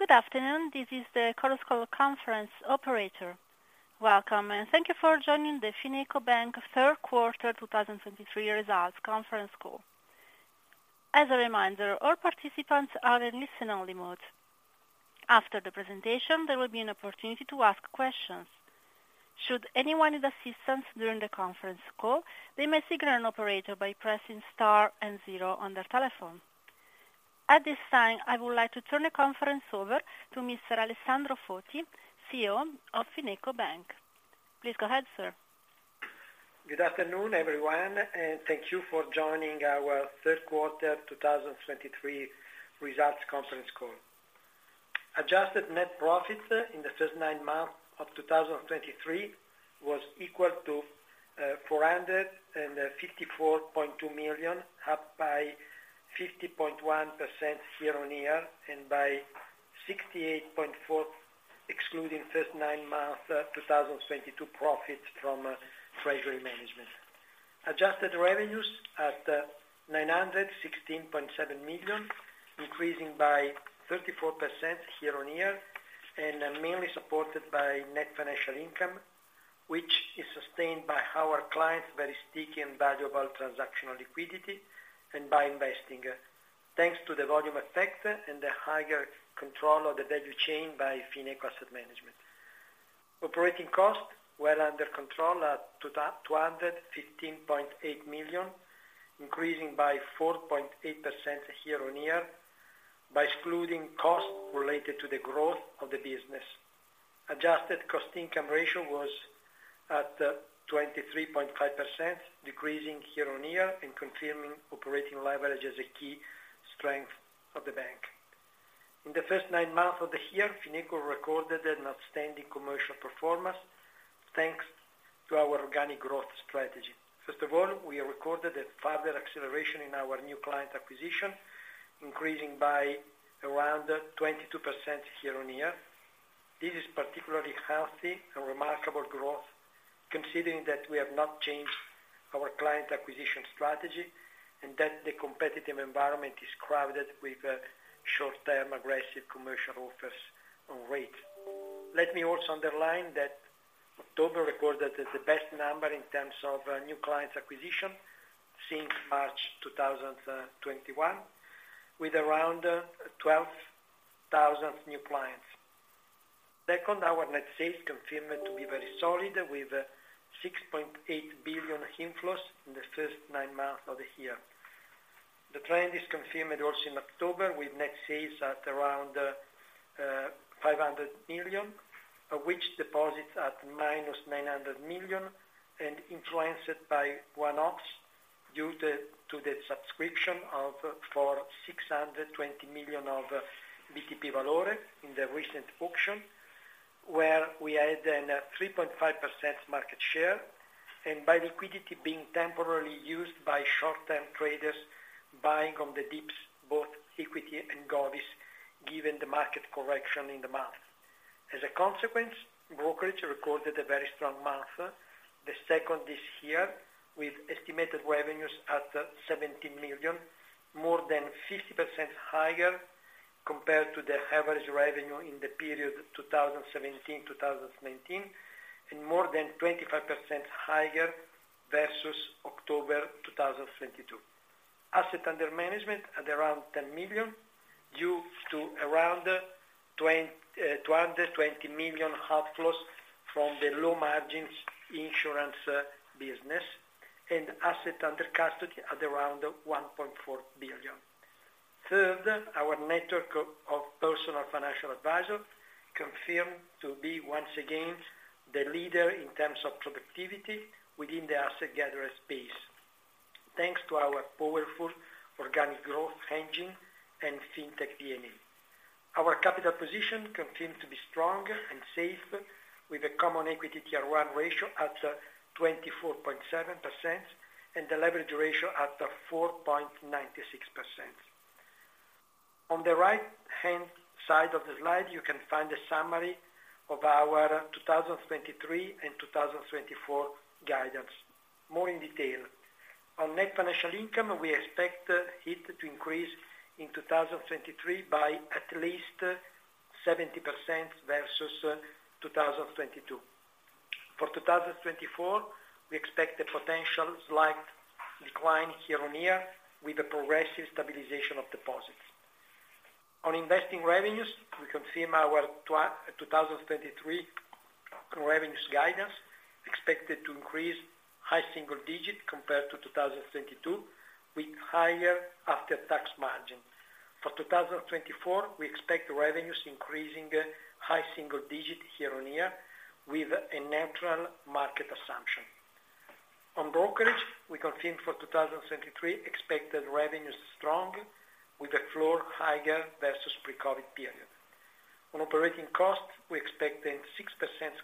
Good afternoon, this is the conference call conference operator. Welcome, and thank you for joining the FinecoBank Q3 2023 results conference call. As a reminder, all participants are in listen-only mode. After the presentation, there will be an opportunity to ask questions. Should anyone need assistance during the conference call, they may signal an operator by pressing star and zero on their telephone. At this time, I would like to turn the conference over to Mr. Alessandro Foti, CEO of FinecoBank. Please go ahead, sir. Good afternoon, everyone, and thank you for joining our Q3 2023 results conference call. Adjusted net profits in the first nine months of 2023 was equal to 454.2 million, up by 50.1% year-on-year, and by 68.4%, excluding first nine months, 2022 profits from treasury management. Adjusted revenues at 916.7 million, increasing by 34% year-on-year, and mainly supported by net financial income, which is sustained by our clients' very sticky and valuable transactional liquidity and by investing, thanks to the volume effect and the higher control of the value chain by Fineco Asset Management. Operating costs were under control at 215.8 million, increasing by 4.8% year-on-year, by excluding costs related to the growth of the business. Adjusted cost income ratio was at 23.5%, decreasing year-on-year and confirming operating leverage as a key strength of the bank. In the first nine months of the year, Fineco recorded an outstanding commercial performance, thanks to our organic growth strategy. First of all, we recorded a further acceleration in our new client acquisition, increasing by around 22% year-on-year. This is particularly healthy and remarkable growth, considering that we have not changed our client acquisition strategy and that the competitive environment is crowded with short-term, aggressive commercial offers on rate. Let me also underline that October recorded as the best number in terms of new clients acquisition since March 2021, with around 12,000 new clients. Second, our net sales confirmed to be very solid, with 6.8 billion inflows in the first nine months of the year. The trend is confirmed also in October, with net sales at around 500 million, of which deposits at -900 million and influenced by one-offs due to the subscription of 620 million of BTP Valore in the recent auction, where we had a 3.5% market share, and by liquidity being temporarily used by short-term traders buying on the dips, both equity and govies, given the market correction in the month. As a consequence, brokerage recorded a very strong month, the second this year, with estimated revenues at 17 million, more than 50% higher compared to the average revenue in the period 2017-2019, and more than 25% higher versus October 2022. Assets under management at around 10 million, due to around 220 million outflows from the low margins insurance business, and assets under custody at around 1.4 billion. Third, our network of personal financial advisors confirmed to be, once again, the leader in terms of productivity within the asset gathering space, thanks to our powerful organic growth engine and fintech DNA. Our capital position continues to be strong and safe, with a CET1 ratio at 24.7%, and the leverage ratio at 4.96%. On the right-hand side of the slide, you can find a summary of our 2023 and 2024 guidance. More in detail: on net financial income, we expect it to increase in 2023 by at least 70% versus 2022. For 2024, we expect a potential slight decline year-on-year, with a progressive stabilization of deposits. On investing revenues, we confirm our 2023 revenues guidance, expected to increase high single digits compared to 2022, with higher after-tax margin. For 2024, we expect revenues increasing high single digits year-on-year, with a natural market assumption. On brokerage, we confirm for 2023 expected revenues strong, with the floor higher versus pre-COVID period. On operating costs, we expect a 6%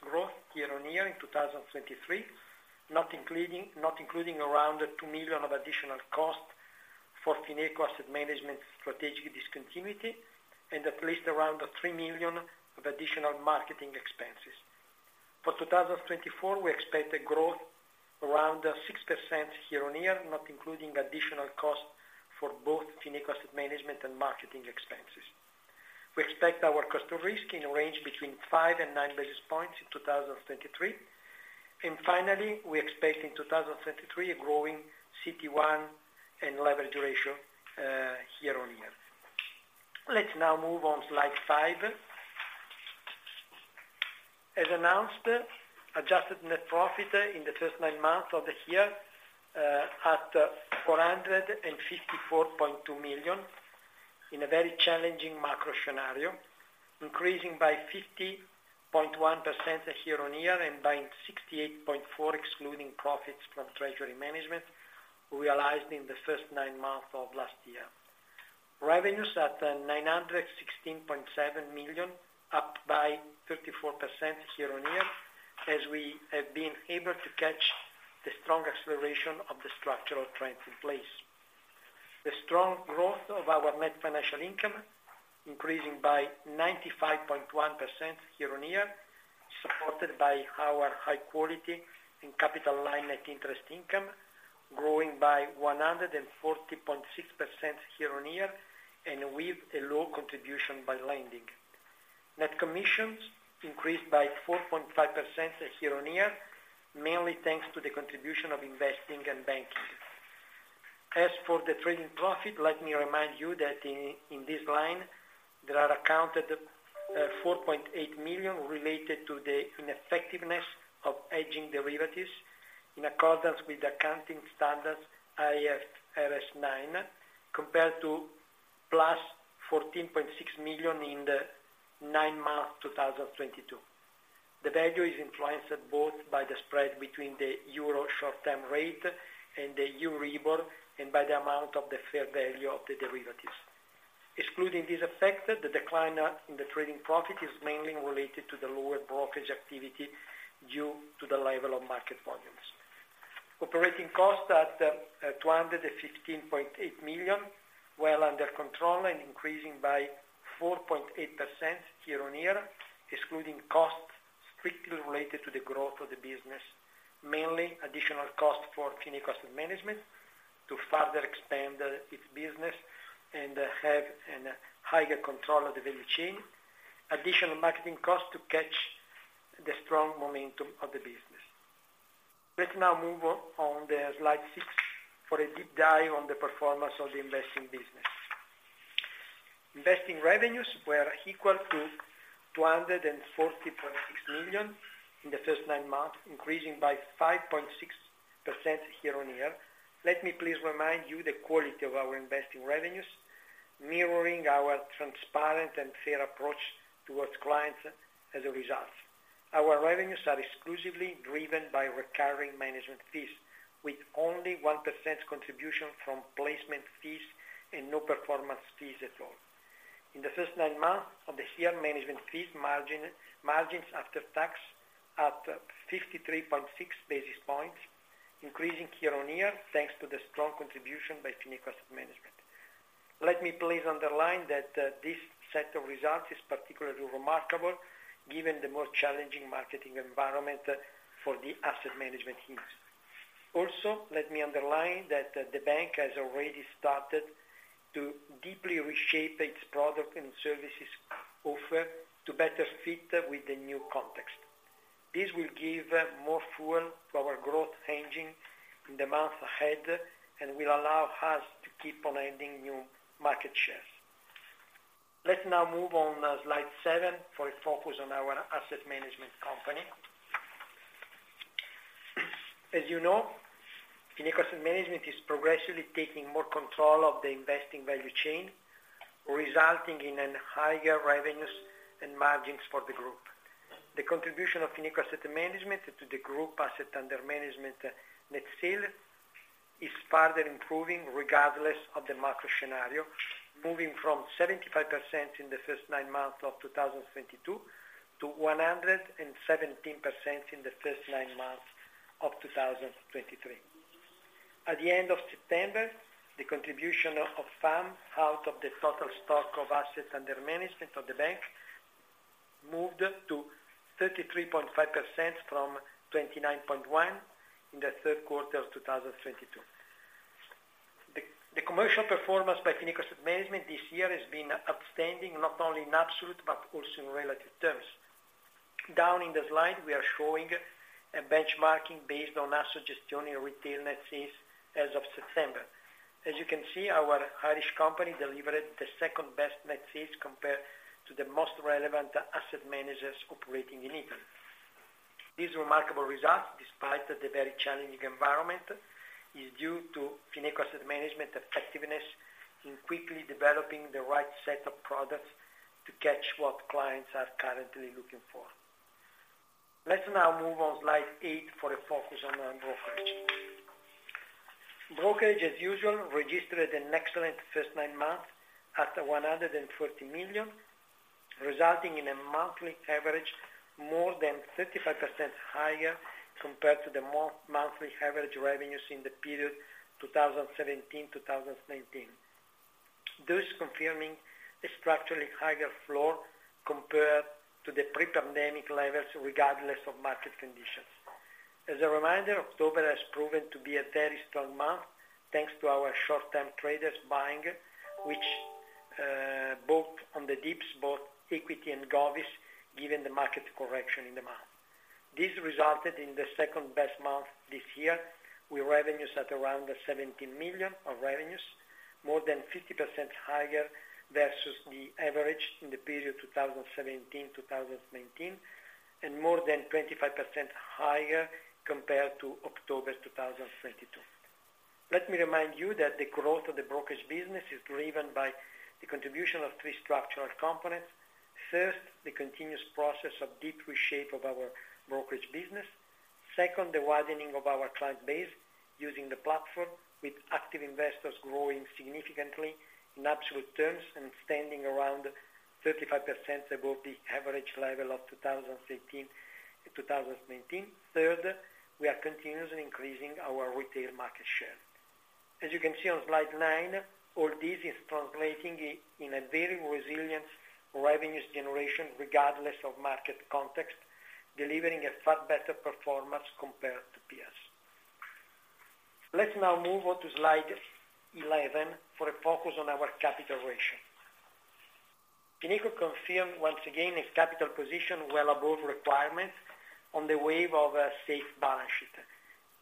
growth year-on-year in 2023, not including, not including around 2 million of additional costs for Fineco Asset Management's strategic discontinuity, and at least around 3 million of additional marketing expenses. For 2024, we expect a growth around 6% year-on-year, not including additional costs for both Fineco Asset Management and marketing expenses. We expect our cost of risk in a range between 5 and 9 basis points in 2023. And finally, we expect in 2023 a growing CET1 and leverage ratio year-on-year. Let's now move on slide 5. As announced, adjusted net profit in the first nine months of the year at 454.2 million, in a very challenging macro scenario, increasing by 50.1% year-on-year, and by 68.4%, excluding profits from treasury management, realized in the first nine months of last year. Revenues at 916.7 million, up by 34% year-on-year, as we have been able to catch the strong acceleration of the structural trends in place. The strong growth of our net financial income, increasing by 95.1% year-on-year, supported by our high quality and capital line net interest income, growing by 140.6% year-on-year, and with a low contribution by lending. Net commissions increased by 4.5% year-on-year, mainly thanks to the contribution of investing and banking. As for the trading profit, let me remind you that in this line, there are accounted 4.8 million related to the ineffectiveness of hedging derivatives, in accordance with the accounting standards IFRS 9, compared to +14.6 million in the nine months, 2022. The value is influenced both by the spread between the Euro short-term rate and the Euribor, and by the amount of the fair value of the derivatives. Excluding this effect, the decline in the trading profit is mainly related to the lower brokerage activity, due to the level of market volumes. Operating costs at 215.8 million, well under control and increasing by 4.8% year-on-year, excluding costs strictly related to the growth of the business. Mainly, additional cost for Fineco Asset Management, to further expand its business and have a higher control of the value chain. Additional marketing costs to catch the strong momentum of the business. Let's now move on, on the slide 6, for a deep dive on the performance of the investing business. Investing revenues were equal to 240.6 million in the first nine months, increasing by 5.6% year-on-year. Let me please remind you the quality of our investing revenues, mirroring our transparent and fair approach towards clients as a result. Our revenues are exclusively driven by recurring management fees, with only 1% contribution from placement fees and no performance fees at all. In the first nine months of the year, management fees, margin, margins after tax, at 53.6 basis points, increasing year-on-year, thanks to the strong contribution by Fineco Asset Management. Let me please underline that, this set of results is particularly remarkable, given the more challenging marketing environment for the asset management teams. Also, let me underline that, the bank has already started to deeply reshape its product and services offer to better fit with the new context. This will give, more fuel to our growth engine in the months ahead, and will allow us to keep on adding new market shares. Let's now move on, slide 7, for a focus on our asset management company. As you know, Fineco Asset Management is progressively taking more control of the investing value chain, resulting in an higher revenues and margins for the group. The contribution of Fineco Asset Management to the group assets under management net sales is further improving regardless of the macro scenario, moving from 75% in the first nine months of 2022 to 117% in the first nine months of 2023. At the end of September, the contribution of FAM out of the total stock of assets under management of the bank moved to 33.5% from 29.1% in the Q3 of 2022. The commercial performance by Fineco Asset Management this year has been outstanding, not only in absolute, but also in relative terms. Down in the slide, we are showing a benchmarking based on asset gestione retail net sales as of September. As you can see, our Irish company delivered the second best net sales compared to the most relevant asset managers operating in Italy. These remarkable results, despite the very challenging environment, is due to Fineco Asset Management effectiveness in quickly developing the right set of products to catch what clients are currently looking for. Let's now move on slide 8 for a focus on our brokerage. Brokerage, as usual, registered an excellent first nine months at 140 million, resulting in a monthly average, more than 35% higher compared to the monthly average revenues in the period 2017-2019, thus confirming a structurally higher floor compared to the pre-pandemic levels, regardless of market conditions. As a reminder, October has proven to be a very strong month, thanks to our short-term traders buying, which bought on the dips, both equity and govies, given the market correction in the month. This resulted in the second best month this year, with revenues at around 17 million of revenues, more than 50% higher versus the average in the period 2017-2019, and more than 25% higher compared to October 2022. Let me remind you that the growth of the brokerage business is driven by the contribution of three structural components. First, the continuous process of deep reshape of our brokerage business. Second, the widening of our client base, using the platform, with active investors growing significantly in absolute terms and standing around 35% above the average level of 2016 and 2019. Third, we are continuously increasing our retail market share. As you can see on slide 9, all this is translating in a very resilient revenues generation, regardless of market context, delivering a far better performance compared to peers. Let's now move on to slide 11 for a focus on our capital ratio. Fineco confirmed once again its capital position well above requirements in the wake of a safe balance sheet.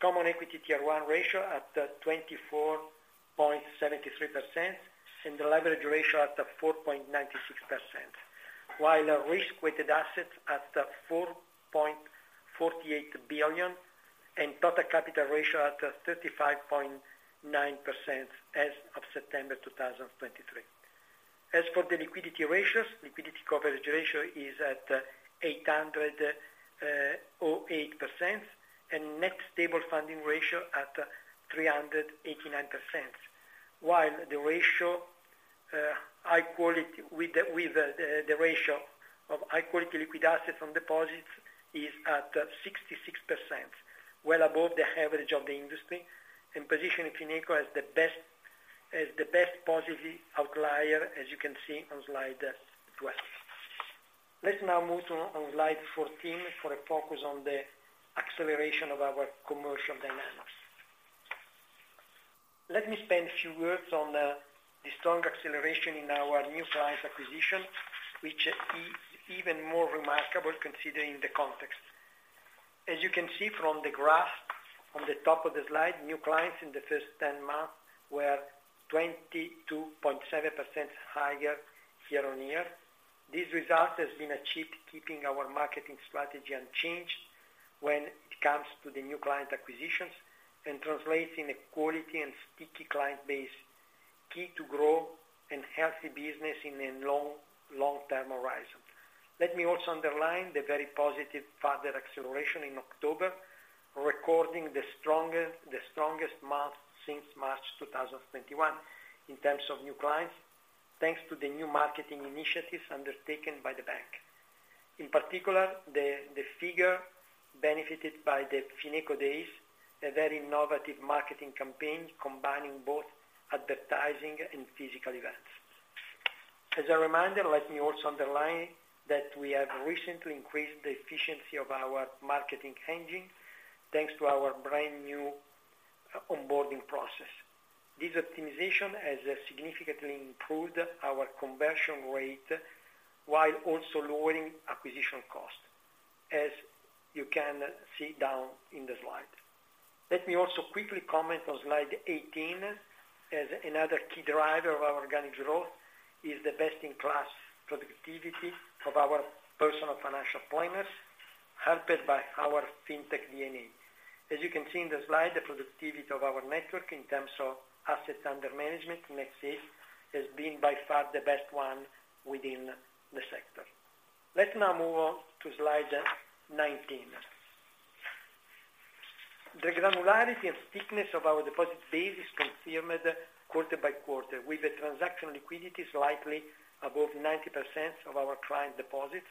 Common equity Tier 1 ratio at 24.73%, and the leverage ratio at 4.96%, while risk-weighted assets at 4.48 billion, and total capital ratio at 35.9% as of September 2023. As for the liquidity ratios, liquidity coverage ratio is at 800.8%, and net stable funding ratio at 389%, while the ratio of high-quality liquid assets from deposits is at 66%, well above the average of the industry, and positioning Fineco as the best positive outlier, as you can see on slide 12. Let's now move on to slide 14 for a focus on the acceleration of our commercial dynamics. Let me spend a few words on the strong acceleration in our new clients acquisition, which is even more remarkable considering the context. As you can see from the graph on the top of the slide, new clients in the first 10 months were 22.7% higher year-on-year. This result has been achieved keeping our marketing strategy unchanged when it comes to the new client acquisitions, and translating a quality and sticky client base, key to grow and healthy business in a long, long-term horizon. Let me also underline the very positive further acceleration in October, recording the strongest month since March 2021, in terms of new clients, thanks to the new marketing initiatives undertaken by the bank. In particular, the figure benefited by the Fineco Days, a very innovative marketing campaign, combining both advertising and physical events. As a reminder, let me also underline that we have recently increased the efficiency of our marketing engine, thanks to our brand new onboarding process. This optimization has significantly improved our conversion rate, while also lowering acquisition cost, as you can see down in the slide. Let me also quickly comment on Slide 18, as another key driver of our organic growth, is the best-in-class productivity of our personal financial planners, helped by our fintech DNA. As you can see in the slide, the productivity of our network in terms of assets under management in NetSafe, has been by far the best one within the sector. Let's now move on to slide 19. The granularity and thickness of our deposit base is confirmed quarter by quarter, with the transaction liquidity slightly above 90% of our client deposits.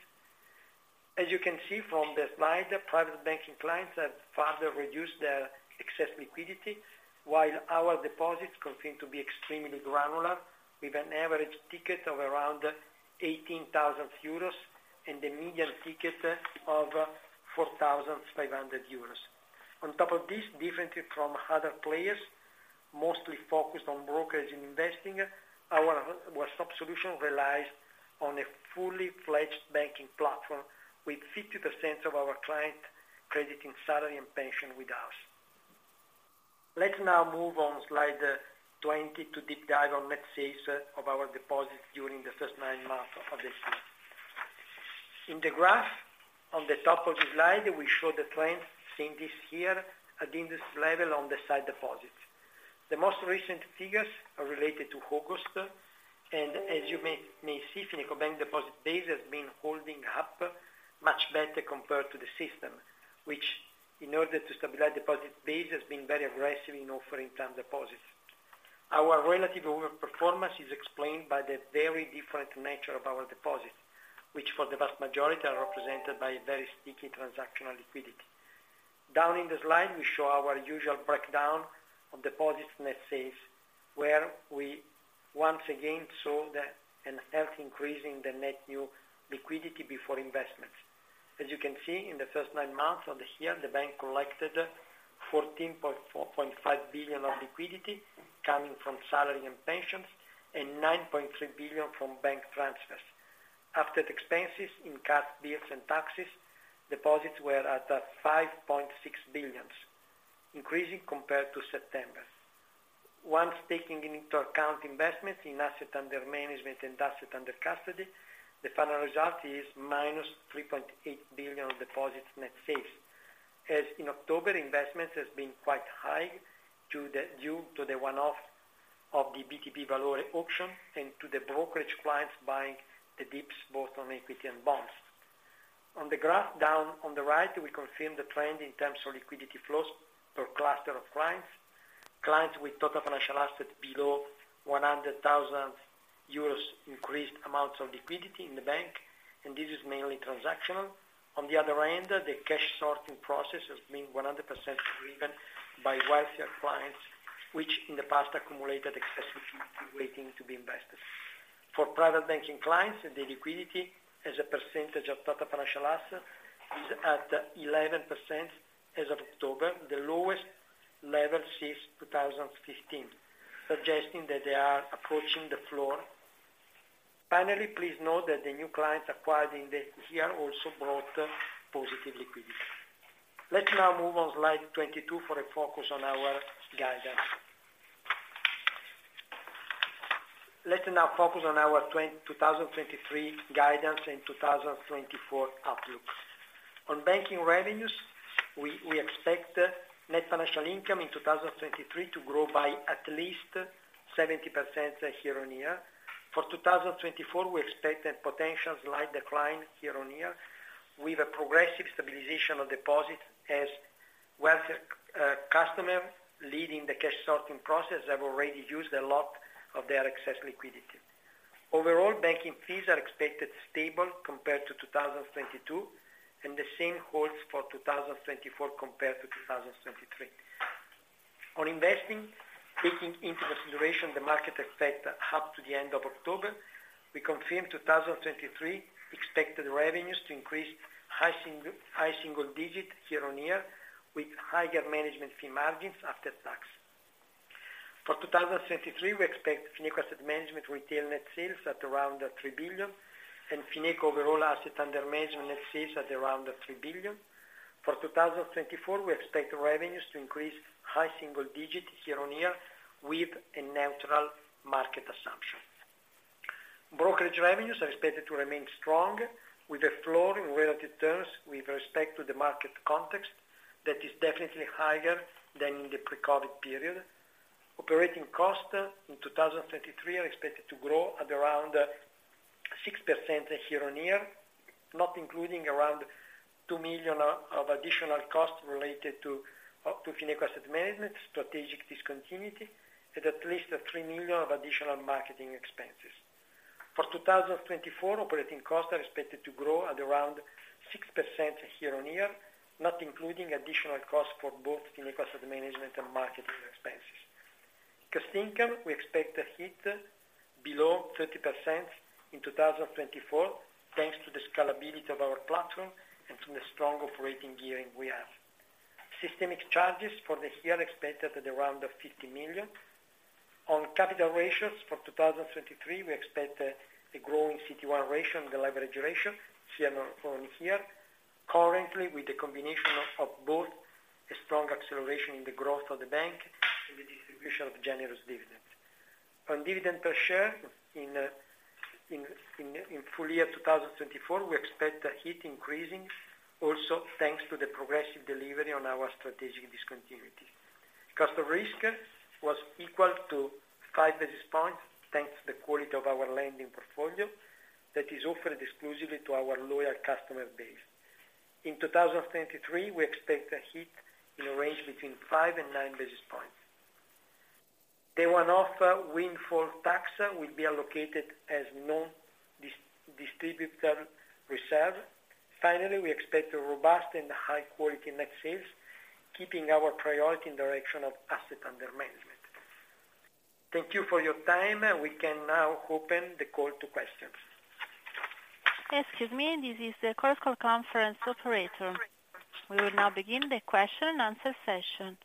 As you can see from the slide, private banking clients have further reduced their excess liquidity, while our deposits continue to be extremely granular, with an average ticket of around 18,000 euros and a median ticket of 4,500 euros. On top of this, differently from other players, mostly focused on brokerage and investing, our stock solution relies on a fully-fledged banking platform, with 50% of our clients crediting salary and pension with us. Let's now move on to slide 20 to deep dive on net sales of our deposits during the first nine months of this year. In the graph, on the top of the slide, we show the trends seen this year at industry level on the sight deposits. The most recent figures are related to August, and as you may see, FinecoBank deposit base has been holding up much better compared to the system, which, in order to stabilize deposit base, has been very aggressive in offering term deposits. Our relative overperformance is explained by the very different nature of our deposits, which for the vast majority, are represented by a very sticky transactional liquidity.... Down in the slide, we show our usual breakdown of deposits net sales, where we once again saw an healthy increase in the net new liquidity before investments. As you can see, in the first nine months of the year, the bank collected 14.45 billion of liquidity coming from salary and pensions, and 9.3 billion from bank transfers. After the expenses in cash, bills, and taxes, deposits were at 5.6 billion, increasing compared to September. Once taking into account investments in asset under management and asset under custody, the final result is minus 3.8 billion of deposits net sales. As in October, investments has been quite high due to the one-off of the BTP Valore auction and to the brokerage clients buying the dips, both on equity and bonds. On the graph down on the right, we confirm the trend in terms of liquidity flows per cluster of clients. Clients with total financial assets below 100,000 euros increased amounts of liquidity in the bank, and this is mainly transactional. On the other end, the cash sorting process has been 100% driven by wealthier clients, which in the past accumulated excessive liquidity waiting to be invested. For private banking clients, the liquidity as a percentage of total financial assets is at 11% as of October, the lowest level since 2015, suggesting that they are approaching the floor. Finally, please note that the new clients acquired in the year also brought positive liquidity. Let's now move on slide 22 for a focus on our guidance. Let's now focus on our 2023 guidance and 2024 outlooks. On banking revenues, we expect net financial income in 2023 to grow by at least 70% year-on-year. For 2024, we expect a potential slight decline year-on-year, with a progressive stabilization of deposits as wealthier customer leading the cash sorting process have already used a lot of their excess liquidity. Overall, banking fees are expected stable compared to 2022, and the same holds for 2024 compared to 2023. On investing, taking into consideration the market effect up to the end of October, we confirm 2023 expected revenues to increase high single digit year-on-year, with higher management fee margins after tax. For 2023, we expect Fineco Asset Management retail net sales at around 3 billion, and Fineco overall asset under management net sales at around 3 billion. For 2024, we expect revenues to increase high single digit year-on-year with a neutral market assumption. Brokerage revenues are expected to remain strong, with a floor in relative terms with respect to the market context that is definitely higher than in the pre-COVID period. Operating costs in 2023 are expected to grow at around 6% year-on-year, not including around 2 million of additional costs related to Fineco Asset Management, strategic discontinuity, and at least 3 million of additional marketing expenses. For 2024, operating costs are expected to grow at around 6% year-on-year, not including additional costs for both Fineco Asset Management and marketing expenses. Cost income, we expect to hit below 30% in 2024, thanks to the scalability of our platform and to the strong operating gearing we have. Systemic charges for the year expected at around 50 million. On capital ratios for 2023, we expect a growing CET1 ratio and the leverage ratio year-on-year, currently with a combination of both a strong acceleration in the growth of the bank and the distribution of generous dividends. On dividend per share, in full year 2024, we expect it increasing also thanks to the progressive delivery on our strategic discontinuity. Cost of risk was equal to 5 basis points, thanks to the quality of our lending portfolio that is offered exclusively to our loyal customer base. In 2023, we expect it in a range between 5 and 9 basis points. The one-off windfall tax will be allocated as non-distributable reserve. Finally, we expect a robust and high-quality net sales, keeping our priority in direction of assets under management. Thank you for your time. We can now open the call to questions. Excuse me, this is the corporate conference operator. We will now begin the question and answer session.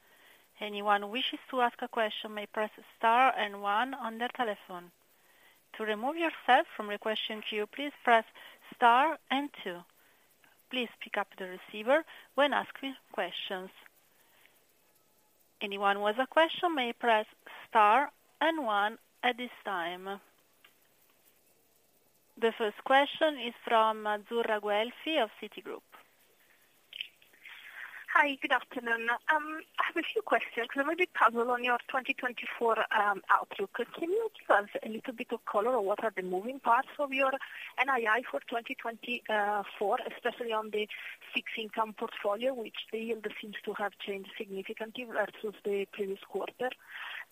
Anyone who wishes to ask a question may press star and one on their telephone. To remove yourself from the question queue, please press star and two. Please pick up the receiver when asking questions. Anyone with a question may press star and one at this time. The first question is from Azzurra Guelfi of Citigroup. Hi, good afternoon. I have a few questions. I'm a bit puzzled on your 2024 outlook. Can you give us a little bit of color on what are the moving parts of your NII for 2024, especially on the fixed income portfolio, which the yield seems to have changed significantly versus the previous quarter?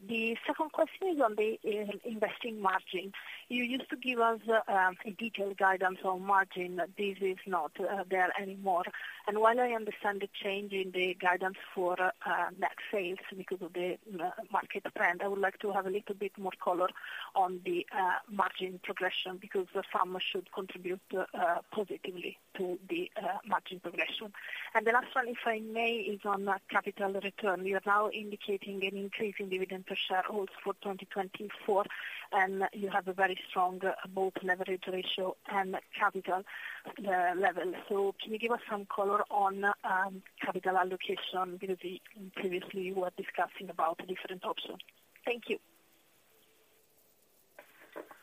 The second question is on the investing margin. You used to give us a detailed guidance on margin. This is not there anymore. And while I understand the change in the guidance for net sales, because of the market trend, I would like to have a little bit more color on the margin progression, because the FAM should contribute positively to the margin progression. And the last one, if I may, is on capital return. You are now indicating an increase in dividend per share for 2024, and you have a very strong both leverage ratio and capital level. So can you give us some color on capital allocation, because you previously were discussing about different options? Thank you.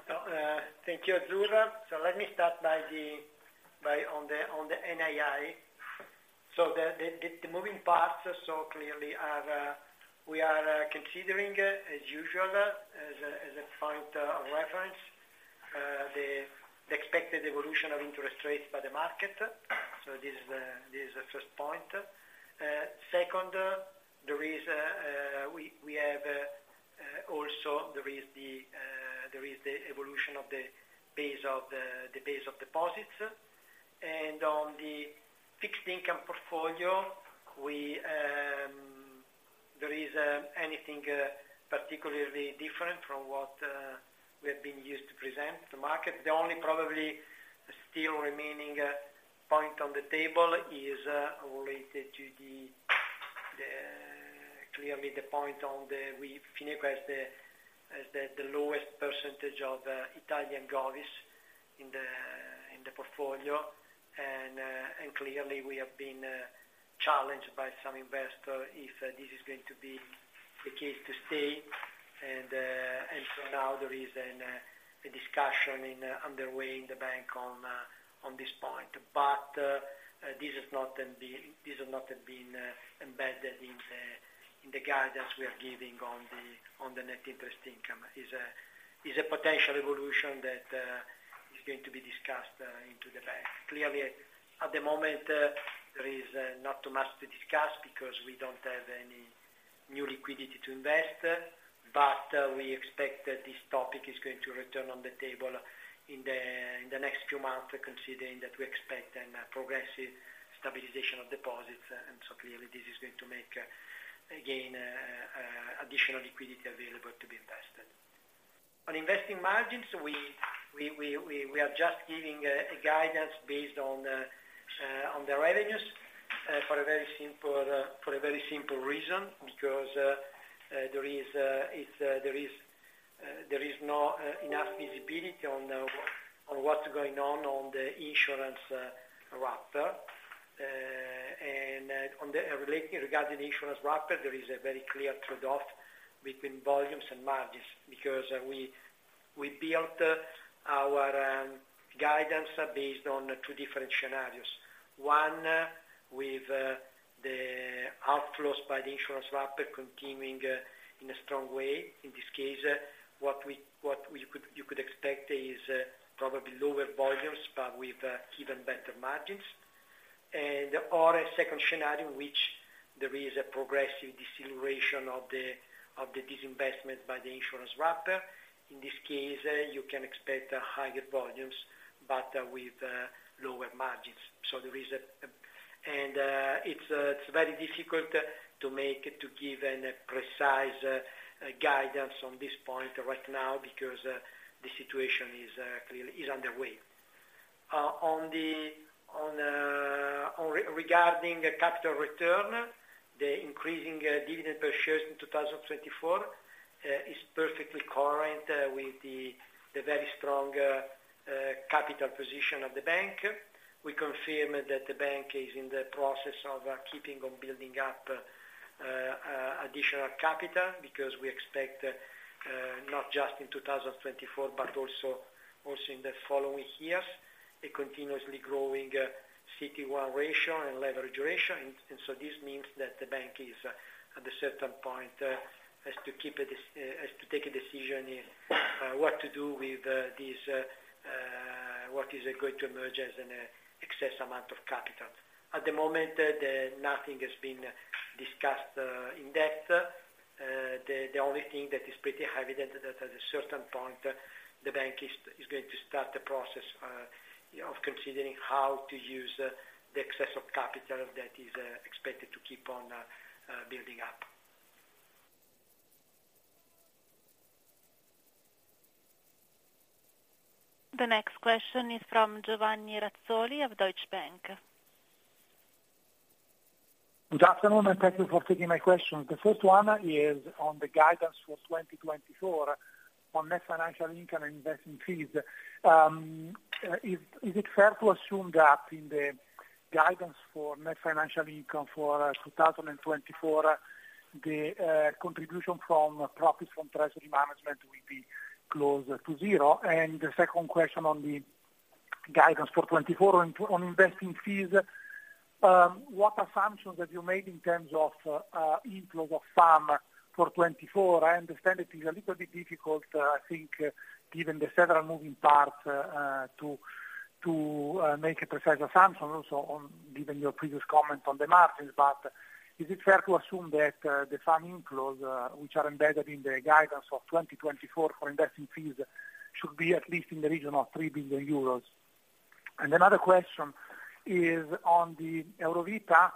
So, thank you, Azzurra. So let me start on the NII. So the moving parts so clearly are we are considering, as usual, as a point of reference, the expected evolution of interest rates by the market. So this is the first point. Second, there is also the evolution of the base of deposits. And on the fixed income portfolio, there is anything particularly different from what we have been used to present to market. The only probably still remaining point on the table is related to the clearly the point on Fineco has the lowest percentage of Italian govts in the portfolio. And clearly, we have been challenged by some investors if this is going to be the case to stay. And so now there is a discussion underway in the bank on this point. But this has not been embedded in the guidance we are giving on the net interest income. It is a potential evolution that is going to be discussed in the bank. Clearly, at the moment, there is not too much to discuss because we don't have any new liquidity to invest. But, we expect that this topic is going to return on the table in the next few months, considering that we expect a progressive stabilization of deposits. And so clearly this is going to make, again, additional liquidity available to be invested. On investing margins, we are just giving a guidance based on the revenues, for a very simple reason. Because, there is not enough visibility on what's going on, on the insurance wrapper. And, regarding the insurance wrapper, there is a very clear trade-off between volumes and margins. Because, we built our guidance based on two different scenarios. One, with the outflows by the insurance wrapper continuing in a strong way. In this case, what you could expect is probably lower volumes, but with even better margins. And/or a second scenario in which there is a progressive deceleration of the disinvestment by the insurance wrapper. In this case, you can expect higher volumes, but with lower margins. So there is a... And it's very difficult to give a precise guidance on this point right now, because the situation clearly is underway. On regarding the capital return, the increasing dividend per shares in 2024 is perfectly current with the very strong capital position of the bank. We confirm that the bank is in the process of keeping on building up additional capital, because we expect not just in 2024, but also in the following years, a continuously growing CET1 ratio and leverage ratio. And so this means that the bank is, at a certain point, has to take a decision in what to do with this what is going to emerge as an excess amount of capital. At the moment, nothing has been discussed in-depth. The only thing that is pretty evident, that at a certain point, the bank is going to start the process of considering how to use the excess of capital that is expected to keep on building up. The next question is from Giovanni Razzoli of Deutsche Bank. Good afternoon, and thank you for taking my question. The first one is on the guidance for 2024, on net financial income and investing fees. Is it fair to assume that in the guidance for net financial income for 2024, the contribution from profits from treasury management will be close to zero? And the second question on the guidance for 2024 on investing fees. What assumptions have you made in terms of inflows of FAM for 2024? I understand it is a little bit difficult, I think, given the several moving parts, to-... To make a precise assumption also on, given your previous comment on the margins, but is it fair to assume that the fund inflows, which are embedded in the guidance of 2024 for investing fees, should be at least in the region of 3 billion euros? And another question is on the Eurovita.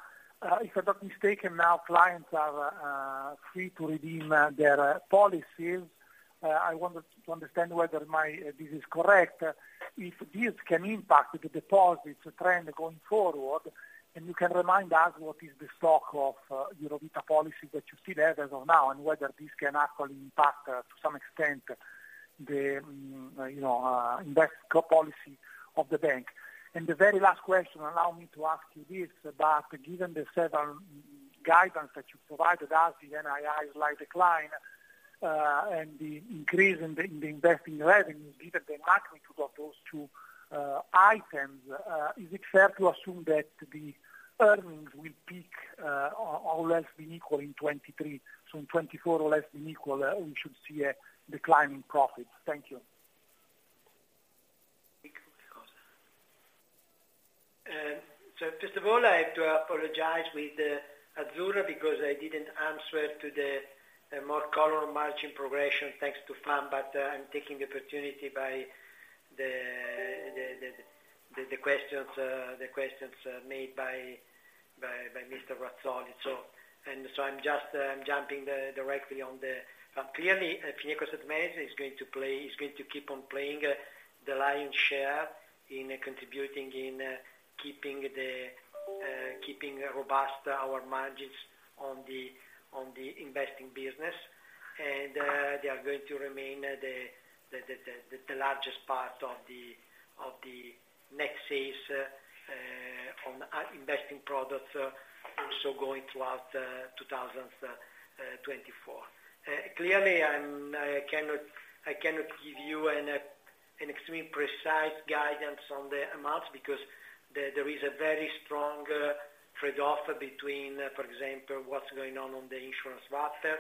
If I'm not mistaken, now clients are free to redeem their policies. I wanted to understand whether this is correct. If this can impact the deposits trend going forward, and you can remind us what is the stock of Eurovita policy that you see there as of now, and whether this can actually impact to some extent the, you know, investment policy of the bank. The very last question, allow me to ask you this, about given the several guidance that you provided us, the NII light decline, and the increase in the investing revenue, given the magnitude of those two items, is it fair to assume that the earnings will peak or less than equal in 2023? So in 2024, or less than equal, we should see a declining profit. Thank you. So first of all, I have to apologize with Azzurra, because I didn't answer to the more color margin progression, thanks to FAM, but I'm taking the opportunity by the questions made by Mr. Razzoli. So, I'm just jumping directly on the... Clearly, Fineco Asset Management is going to keep on playing the lion's share in contributing in keeping robust our margins on the investing business. And they are going to remain the largest part of the next phase on our investing products, also going throughout 2024. Clearly, I cannot give you an extremely precise guidance on the amounts, because there is a very strong trade-off between, for example, what's going on on the insurance wrapper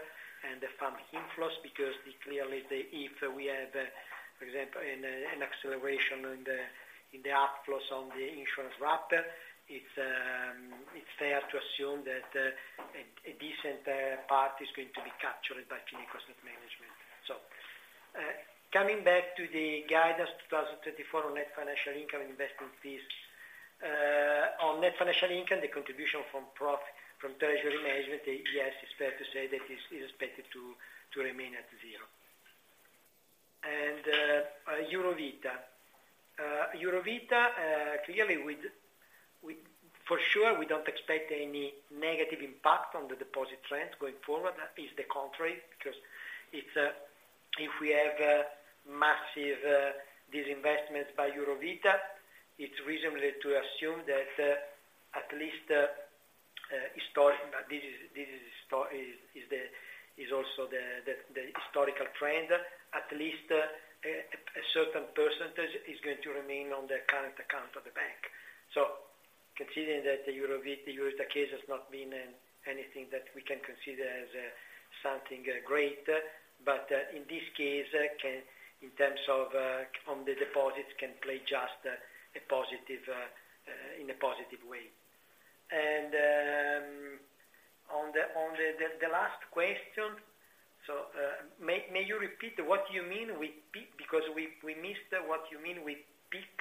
and the fund inflows, because clearly, if we have, for example, an acceleration in the outflows on the insurance wrapper, it's fair to assume that a decent part is going to be captured by Fineco Asset Management. So, coming back to the guidance, 2024, on net financial income and investment fees. On net financial income, the contribution from treasury management, yes, it's fair to say that is expected to remain at zero. And Eurovita. Eurovita, clearly, for sure, we don't expect any negative impact on the deposit trend going forward. That is the contrary, because it's if we have massive disinvestment by Eurovita, it's reasonable to assume that at least this is also the historical trend, at least a certain percentage is going to remain on the current account of the bank. So considering that the Eurovita case has not been anything that we can consider as something great, but in this case, can in terms of on the deposits, can play just a positive in a positive way. And on the last question, so may you repeat what you mean with peak? Because we missed what you mean with peak.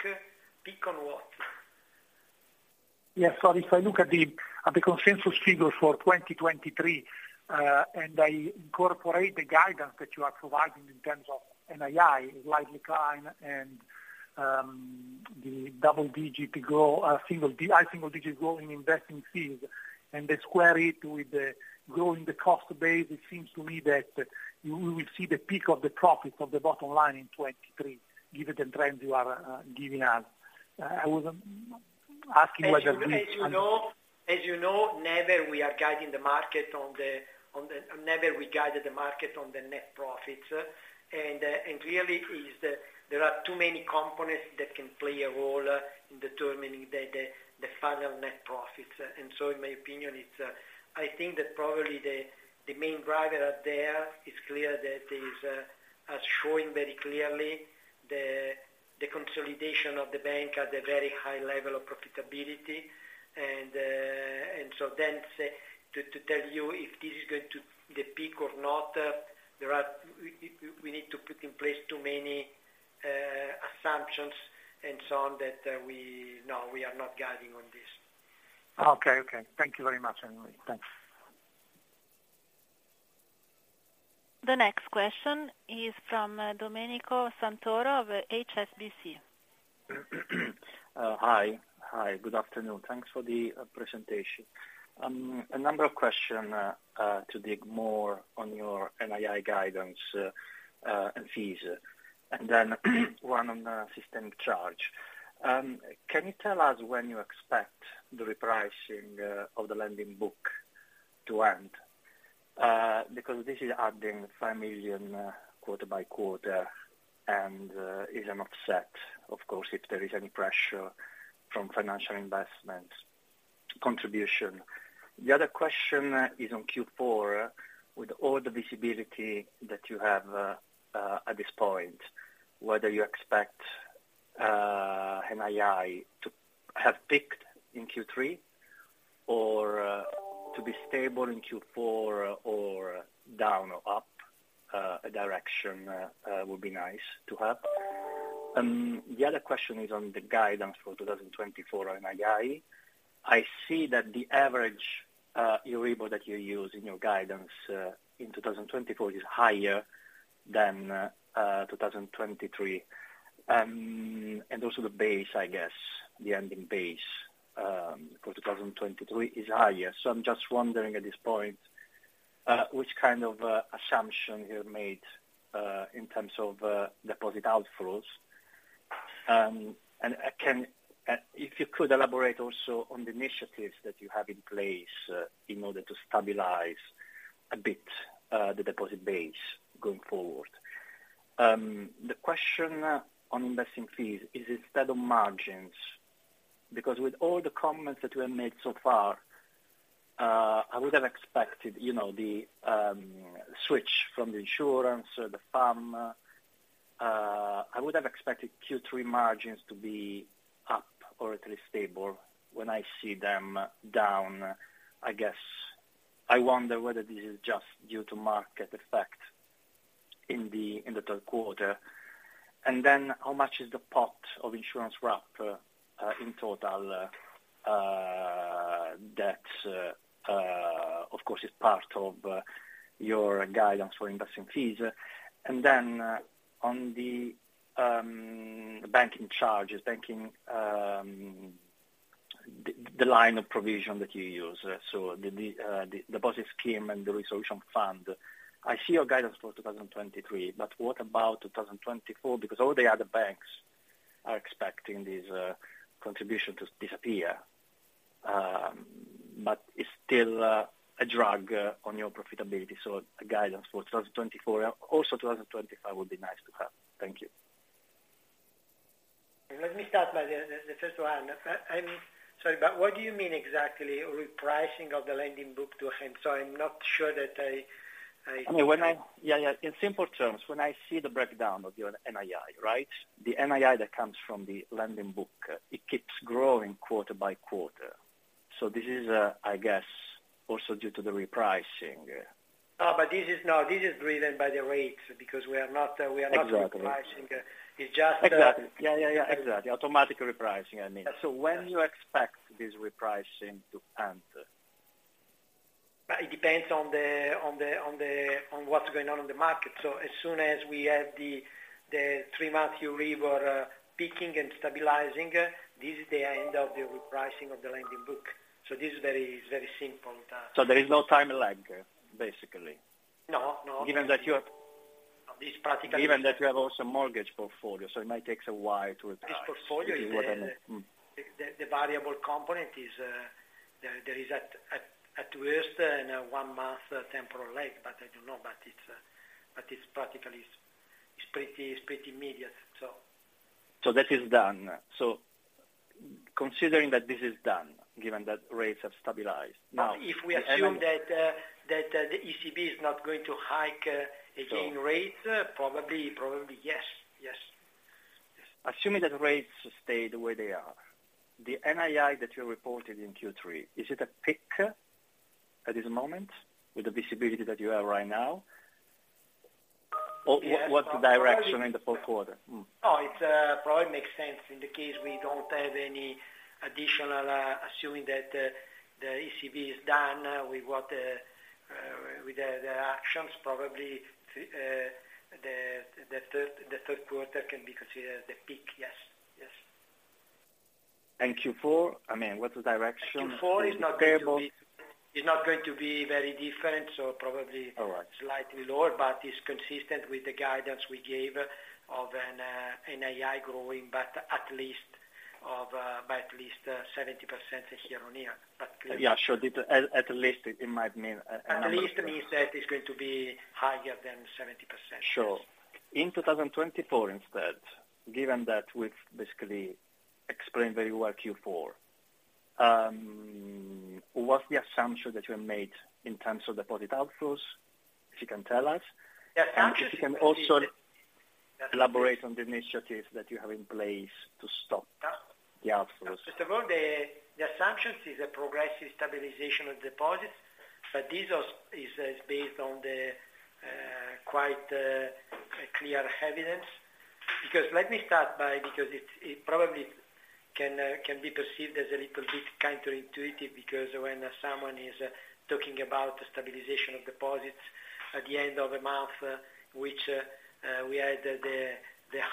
Peak on what? Yes. So if I look at the consensus figures for 2023, and I incorporate the guidance that you are providing in terms of NII, a slight decline and the single digit growth in investing fees, and then square it with the growth in the cost base, it seems to me that we will see the peak of the profits on the bottom line in 2023, given the trends you are giving us. I was asking whether we- As you know, as you know, never we are guiding the market on the, on the... Never we guided the market on the net profits. And clearly, there are too many components that can play a role in determining the, the final net profits. And so in my opinion, it's, I think that probably the main driver out there is clear that is, as showing very clearly the consolidation of the bank at a very high level of profitability. And so then say, to tell you if this is going to the peak or not, there are... We need to put in place too many assumptions, and so on, that, we, no, we are not guiding on this. Okay, okay. Thank you very much, anyway. Thanks. The next question is from Domenico Santoro of HSBC. Hi, good afternoon. Thanks for the presentation. A number of question to dig more on your NII guidance and fees, and then one on the systemic charge. Can you tell us when you expect the repricing of the lending book to end? Because this is adding 5 million quarter by quarter, and is an offset, of course, if there is any pressure from financial investments contribution. The other question is on Q4: with all the visibility that you have at this point, whether you expect NII to have peaked in Q3 or to be stable in Q4, or down or up, a direction would be nice to have. The other question is on the guidance for 2024 on NII. I see that the average Euribor that you use in your guidance in 2024 is higher than 2023. And also the base, I guess, the ending base for 2023 is higher. So I'm just wondering at this point which kind of assumption you have made in terms of deposit outflows. And if you could elaborate also on the initiatives that you have in place in order to stabilize a bit the deposit base going forward. The question on investing fees is instead of margins, because with all the comments that you have made so far I would have expected, you know, the switch from the insurance, the FAM. I would have expected Q3 margins to be up or at least stable. When I see them down, I guess I wonder whether this is just due to market effect in the Q3. And then how much is the pot of insurance wrap in total? That, of course, is part of your guidance for investing fees. And then on the banking charges, the line of provision that you use, so the deposit scheme and the resolution fund. I see your guidance for 2023, but what about 2024? Because all the other banks are expecting this contribution to disappear, but it's still a drag on your profitability. So a guidance for 2024 and also 2025 would be nice to have. Thank you. Let me start by the first one. I'm sorry, but what do you mean exactly, repricing of the lending book to him? So I'm not sure that I- I mean, yeah, yeah. In simple terms, when I see the breakdown of your NII, right? The NII that comes from the lending book, it keeps growing quarter by quarter. So this is, I guess, also due to the repricing. No, this is driven by the rates, because we are not- Exactly... repricing. It's just, Exactly. Yeah, yeah, yeah, exactly. Automatic repricing, I mean. So when you expect this repricing to end? It depends on what's going on in the market. So as soon as we have the three-month Euribor peaking and stabilizing, this is the end of the repricing of the lending book. So this is very, very simple. So there is no time lag, basically? No, no. Given that you have- This practically- Given that you have also mortgage portfolio, so it might take a while to reprice. This portfolio, the variable component is there at worst in a one-month temporal lag, but I do not know. But it's practically, it's pretty immediate, so. That is done. Considering that this is done, given that rates have stabilized, now- If we assume that the ECB is not going to hike rates again, probably, probably, yes. Yes. Assuming that rates stay the way they are, the NII that you reported in Q3, is it a peak at this moment with the visibility that you have right now? Or what's the direction in the Q4? Hmm. Oh, it probably makes sense. In the case we don't have any additional, assuming that the ECB is done with what with the actions, probably the Q3 can be considered the peak. Yes. Yes. Q4, I mean, what's the direction? Q4 is not going to be- Stable. Is not going to be very different, so probably- All right... slightly lower, but it's consistent with the guidance we gave of an NII growing, but at least of by at least 70% year-on-year, but- Yeah, sure. At least it might mean a... At least means that it's going to be higher than 70%. Sure. In 2024 instead, given that we've basically explained very well Q4, what's the assumption that you have made in terms of deposit outflows, if you can tell us? The assumption- If you can also elaborate on the initiatives that you have in place to stop the outflows? First of all, the assumption is a progressive stabilization of deposits, but this also is based on the quite clear evidence. Because let me start by... Because it probably can be perceived as a little bit counterintuitive, because when someone is talking about the stabilization of deposits at the end of the month, which we had the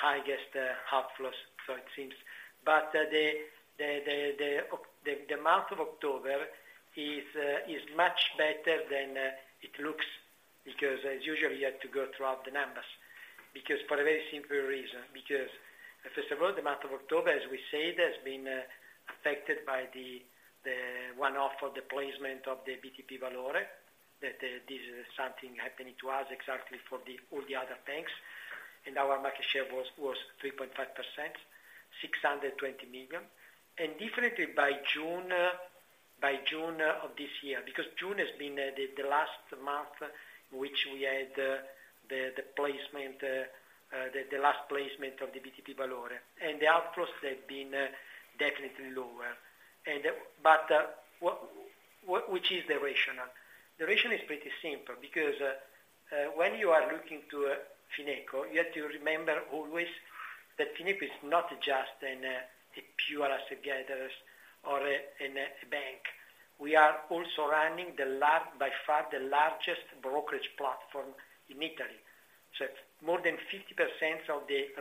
highest outflows, so it seems. But the month of October is much better than it looks, because as usual, you have to go throughout the numbers. Because for a very simple reason, because, first of all, the month of October, as we said, has been affected by the one-off of the placement of the BTP Valore, that this is something happening to us, exactly for all the other banks. and our market share was 3.5%, 620 million. And, differently, by June of this year, because June has been the last month in which we had the placement, the last placement of the BTP Valore. And the outflows have been definitely lower. But, what is the rationale? The rationale is pretty simple, because when you are looking to Fineco, you have to remember always that Fineco is not just a pure asset gatherer or a bank. We are also running the large, by far, the largest brokerage platform in Italy. So more than 50% of the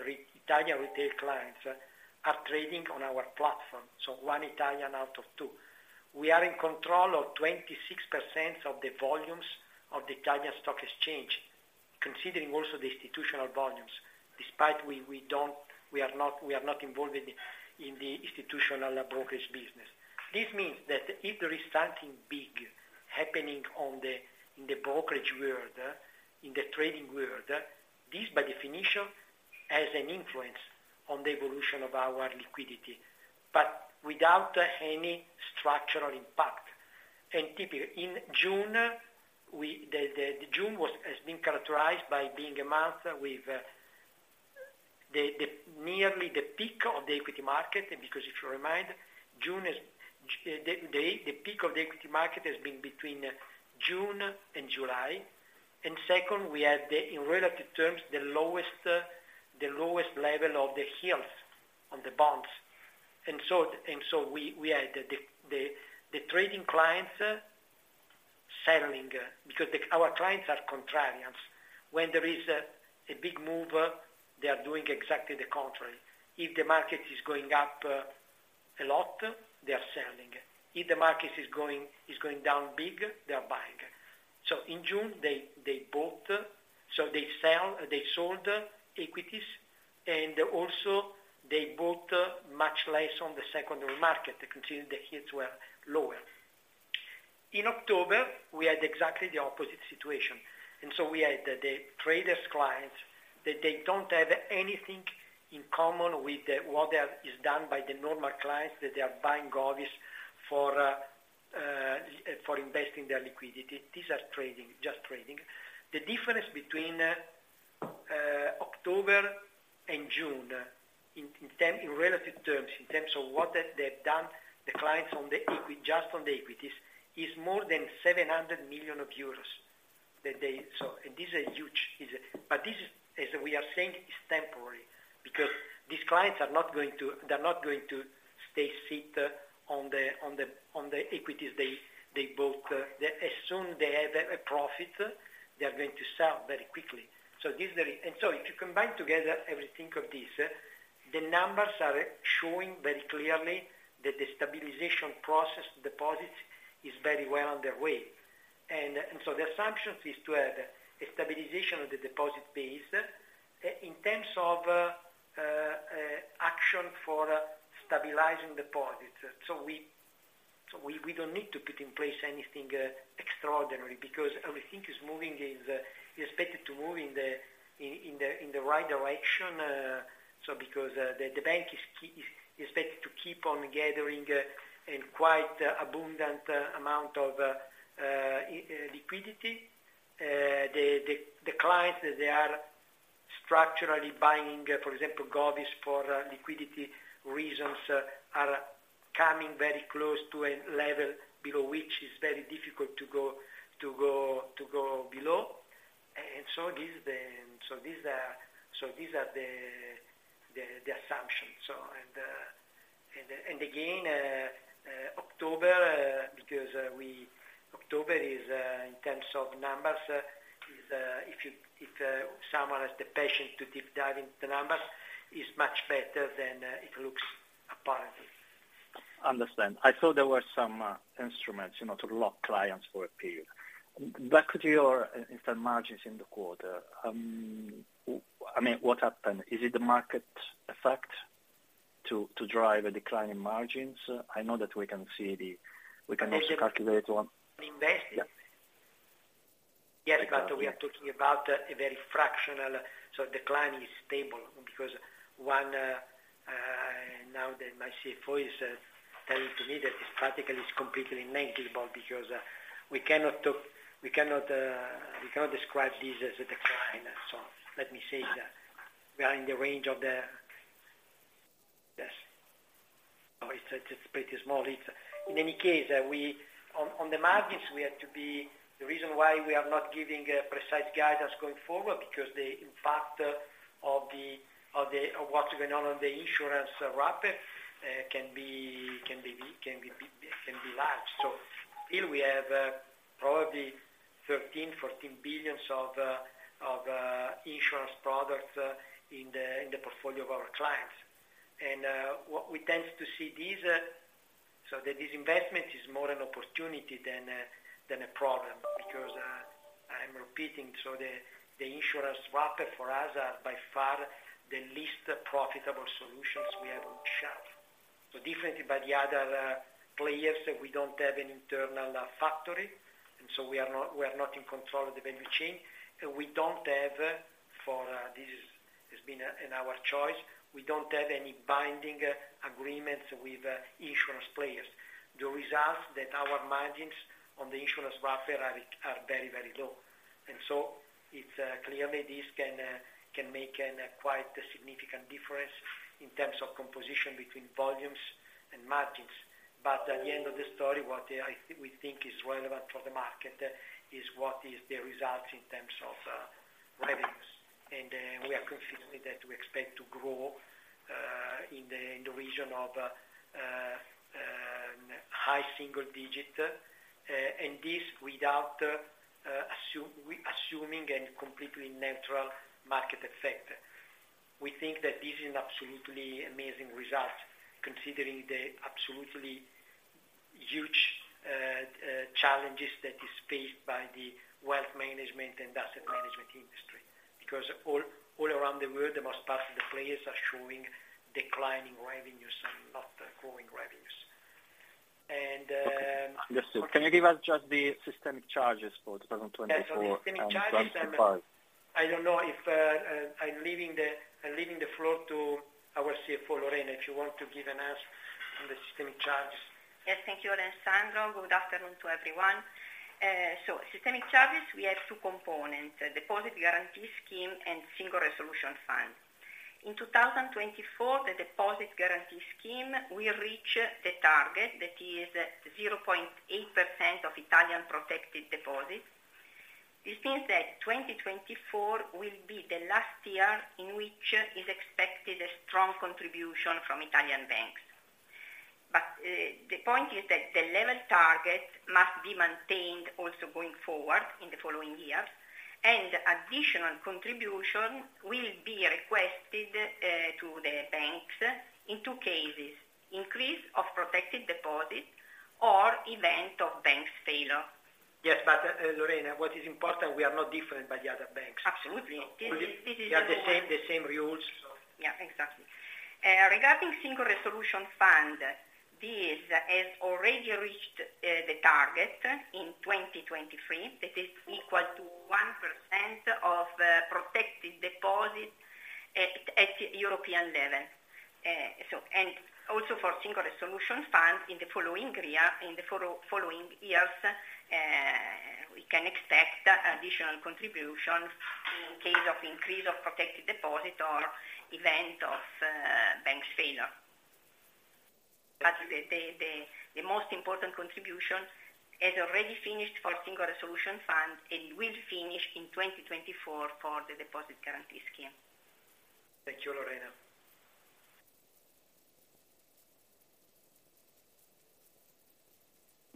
Italian retail clients are trading on our platform, so one Italian out of two. We are in control of 26% of the volumes of the Italian stock exchange, considering also the institutional volumes. Despite we, we don't—we are not, we are not involved in, in the institutional brokerage business. This means that if there is something big happening on the, in the brokerage world, in the trading world, this, by definition, has an influence on the evolution of our liquidity, but without any structural impact. And typically, in June, we... the, the, June was, has been characterized by being a month with, the, the, nearly the peak of the equity market, because if you remind, June is, j- the, the, the peak of the equity market has been between June and July. And second, we had the, in relative terms, the lowest, the lowest level of the yields on the bonds. We had the trading clients selling, because our clients are contrarians. When there is a big move, they are doing exactly the contrary. If the market is going up a lot, they are selling. If the market is going down big, they are buying. So in June, they bought, so they sold equities, and also they bought much less on the secondary market, considering the yields were lower. In October, we had exactly the opposite situation. We had the trading clients that they don't have anything in common with what they have is done by the normal clients that they are buying govies for investing their liquidity. These are trading, just trading. The difference between October and June, in relative terms, in terms of what they have done, the clients on the equity, just on the equities, is more than 700 million euros. That they... So and this is huge, is it? But this is, as we are saying, is temporary, because these clients are not going to, they're not going to stay sit on the, on the, on the equities they bought. As soon they have a profit, they are going to sell very quickly. So this very... And so if you combine together everything of this, the numbers are showing very clearly that the stabilization process deposits is very well on their way. And so the assumptions is to have a stabilization of the deposit base, in terms of action for stabilizing deposits. So we don't need to put in place anything extraordinary, because everything is expected to move in the right direction. So because the bank is expected to keep on gathering in quite abundant amount of liquidity. The clients, they are structurally buying, for example, govies, for liquidity reasons, are coming very close to a level below which is very difficult to go below. And so these are the assumptions. So and again, October, because we... October is, in terms of numbers, much better than it looks apparently, if someone has the patience to deep dive into the numbers. Understand. I thought there were some instruments, you know, to lock clients for a period. Back to your interest margins in the quarter, I mean, what happened? Is it the market effect to drive a decline in margins? I know that we can see the, we can also calculate one. Invest? Yeah. Yes, but we are talking about a very fractional, so decline is stable. Because one, now that my CFO is telling to me that this practically is completely negligible, because, we cannot talk, we cannot, we cannot describe this as a decline. So let me say that we are in the range of the... Yes. Oh, it's, it's pretty small. In any case, we... on, on the margins, we have to be, the reason why we are not giving a precise guidance going forward, because the impact of the, of the, of what's going on in the insurance wrapper, can be, can be big, can be large. So here we have, probably 13 billion-14 billion of insurance products, in the, in the portfolio of our clients. What we tend to see these, so that this investment is more an opportunity than a problem, because, I'm repeating, so the insurance wrapper for us are by far the least profitable solutions we have on shelf. So differently by the other players, that we don't have an internal factory, and so we are not in control of the value chain. We don't have for, this is, has been, in our choice, we don't have any binding agreements with insurance players. The result that our margins on the insurance wrapper are very, very low. And so it's clearly this can make a quite significant difference in terms of composition between volumes and margins. But at the end of the story, what we think is relevant for the market is what is the results in terms of revenues. We are confident that we expect to grow in the region of high single digit and this without assuming a completely natural market effect. We think that this is an absolutely amazing result, considering the absolutely huge challenges that is faced by the wealth management and asset management industry. Because all around the world, the most part of the players are showing declining revenues and not growing revenues. And Okay. Understood. Can you give us just the systemic charges for 2024, plus and 5? Yeah, for systemic charges, I don't know if I'm leaving the floor to our CFO, Lorena, if you want to give an answer on the systemic charges. Yes, thank you, Alessandro. Good afternoon to everyone. So systemic charges, we have two components: the Deposit Guarantee Scheme and Single Resolution Fund. In 2024, the Deposit Guarantee Scheme will reach the target, that is 0.8% of Italian protected deposits. This means that 2024 will be the last year in which is expected a strong contribution from Italian banks. But, the point is that the level target must be maintained also going forward in the following years, and additional contribution will be requested to the banks in two cases: increase of protected deposits or event of banks failure. Yes, but, Lorena, what is important, we are not different by the other banks. Absolutely. This is the same- We have the same rules, so. Yeah. Exactly. Regarding Single Resolution Fund, this has already reached the target in 2023, that is equal to 1% of protected deposits at European level. So and also for Single Resolution Fund in the following year, in the following years, we can expect additional contributions in case of increase of protected deposit or event of banks failure. But the most important contribution has already finished for Single Resolution Fund and will finish in 2024 for the Deposit Guarantee Scheme. Thank you, Lorena.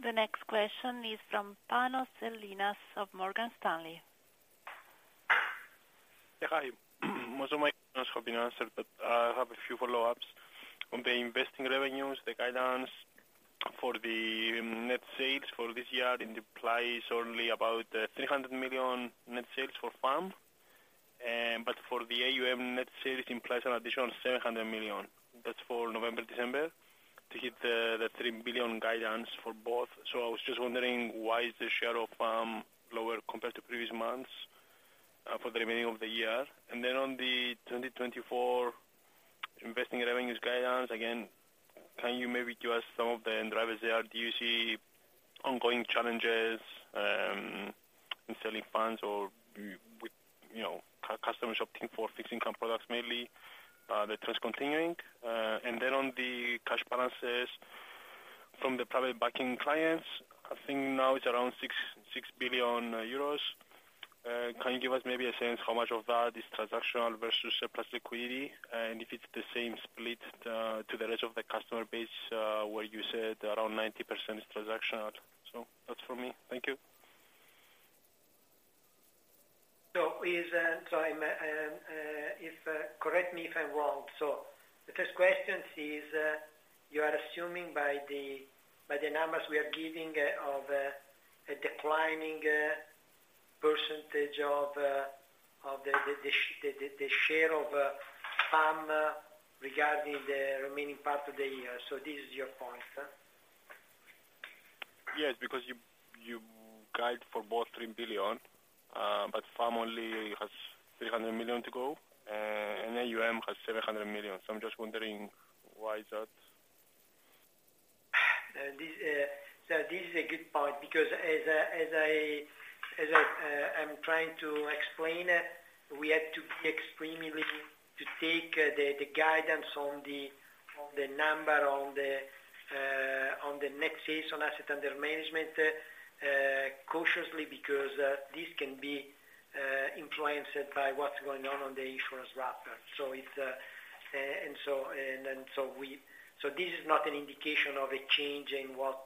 The next question is from Panos Ellinas of Morgan Stanley. Yeah, hi. Most of my questions have been answered, but I have a few follow-ups. On the investing revenues, the guidance for the net sales for this year implies only about 300 million net sales for FAM. But for the AUM net sales, it implies an additional 700 million. That's for November, December, to hit the 3 billion guidance for both. So I was just wondering why is the share of lower compared to previous months for the remaining of the year? And then on the 2024 investing revenues guidance, again, can you maybe give us some of the drivers there? Do you see ongoing challenges in selling funds or do, with, you know, customers opting for fixed income products, mainly, that was continuing? And then on the cash balances from the private banking clients, I think now it's around 6.6 billion euros. Can you give us maybe a sense how much of that is transactional versus surplus liquidity? And if it's the same split to the rest of the customer base, where you said around 90% is transactional. So that's for me. Thank you. So, correct me if I'm wrong. So the first question is, you are assuming by the numbers we are giving of a declining percentage of the share of FAM regarding the remaining part of the year. So this is your point? Yes, because you, you guide for both 3 billion, but FAM only has 300 million to go, and AUM has 700 million. So I'm just wondering why is that? So this is a good point because as I'm trying to explain, we had to be extremely cautious to take the guidance on the number on the net sales on asset under management cautiously, because this can be influenced by what's going on on the insurance wrapper. So this is not an indication of a change in what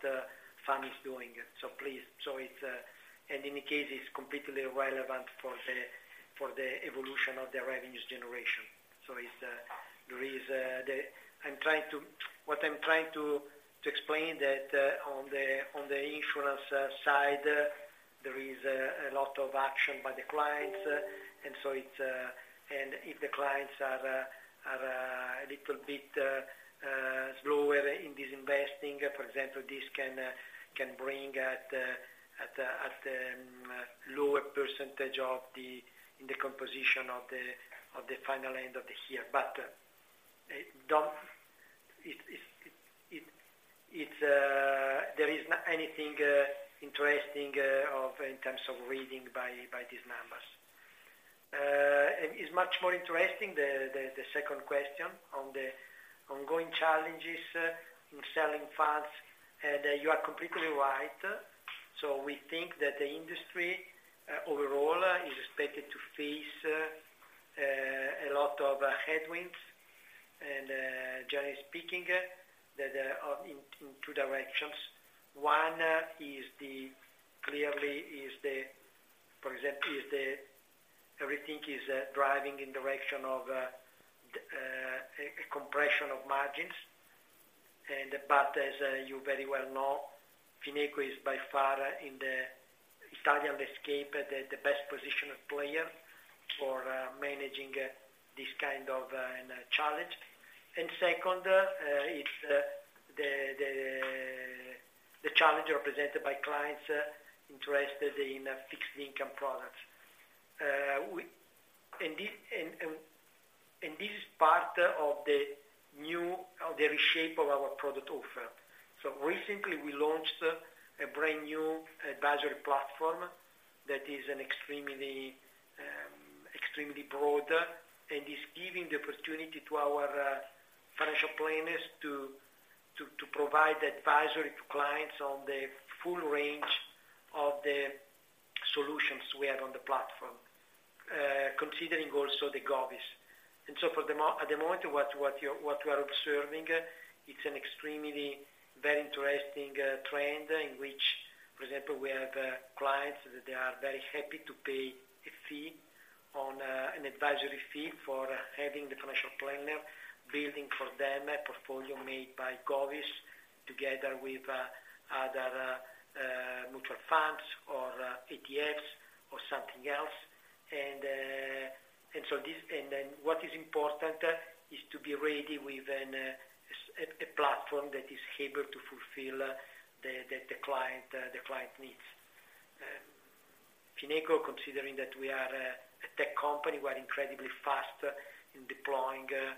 FAM is doing. So please, it's... And in any case, it's completely irrelevant for the evolution of the revenues generation. So there is the... What I'm trying to explain is that on the insurance side... There is a lot of action by the clients, and so it's, and if the clients are a little bit slower in disinvesting, for example, this can bring at lower percentage of the final end of the year. But it is not anything interesting in terms of reading by these numbers. It is much more interesting, the second question on the ongoing challenges in selling funds, and you are completely right. So we think that the industry overall is expected to face a lot of headwinds. And generally speaking, that there are in two directions. One is the, clearly, for example, everything is driving in the direction of a compression of margins. But as you very well know, Fineco is by far in the Italian landscape the best positioned player for managing this kind of challenge. And second, it's the challenge represented by clients interested in fixed income products. We – and this is part of the reshape of our product offer. So recently, we launched a brand new advisory platform that is an extremely, extremely broad, and is giving the opportunity to our financial planners to provide advisory to clients on the full range of the solutions we have on the platform, considering also the govvies. At the moment, what we are observing is an extremely very interesting trend in which, for example, we have clients that they are very happy to pay a fee on an advisory fee for having the financial planner building for them a portfolio made by Govis, together with other mutual funds or ETFs or something else. And then what is important is to be ready with a platform that is able to fulfill the client needs. Fineco, considering that we are a tech company, we are incredibly fast in deploying this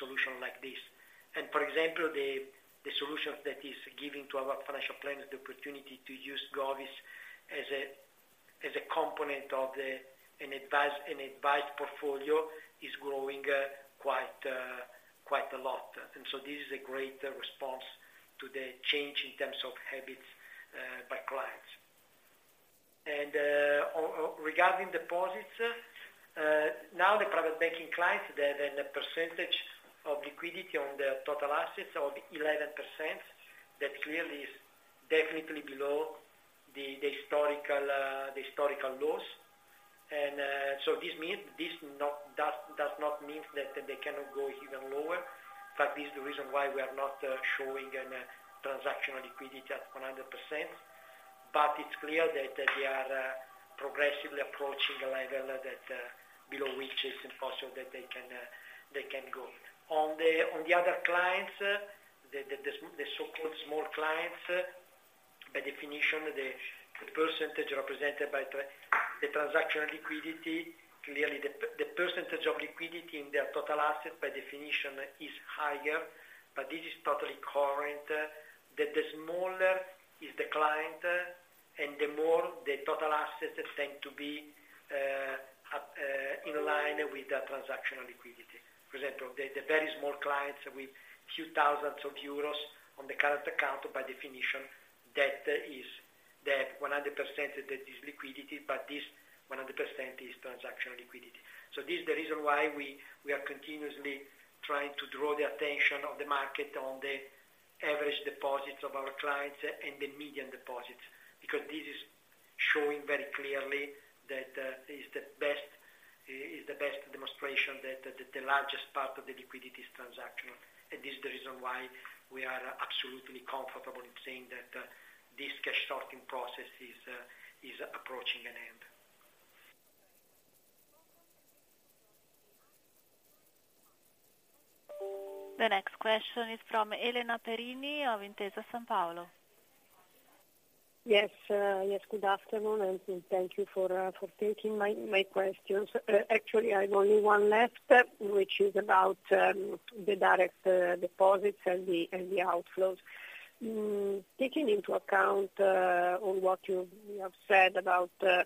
solution like this. And for example, the solutions that is giving to our financial planners, the opportunity to use Govis as a component of an advised portfolio, is growing quite a lot. And so this is a great response to the change in terms of habits by clients. And regarding deposits, now the private banking clients, they have a percentage of liquidity on their total assets of 11%. That clearly is definitely below the historical lows. And so this means, this does not mean that they cannot go even lower. In fact, this is the reason why we are not showing an transactional liquidity at 100%. But it's clear that they are progressively approaching a level that below which is impossible, that they can they can go. On the other clients, the so-called small clients, by definition, the percentage represented by the transactional liquidity, clearly, the percentage of liquidity in their total asset, by definition, is higher. But this is totally current, that the smaller is the client, and the more the total assets tend to be up in line with the transactional liquidity. For example, the very small clients with few thousands of EUR on the current account, by definition, that is, that 100% that is liquidity, but this 100% is transactional liquidity. This is the reason why we are continuously trying to draw the attention of the market on the average deposits of our clients and the median deposits, because this is showing very clearly that is the best demonstration that the largest part of the liquidity is transactional. This is the reason why we are absolutely comfortable in saying that this cash sorting process is approaching an end. The next question is from Elena Perini of Intesa Sanpaolo. Yes, yes, good afternoon, and thank you for taking my questions. Actually, I have only one left, which is about the direct deposits and the outflows. Taking into account on what you have said about the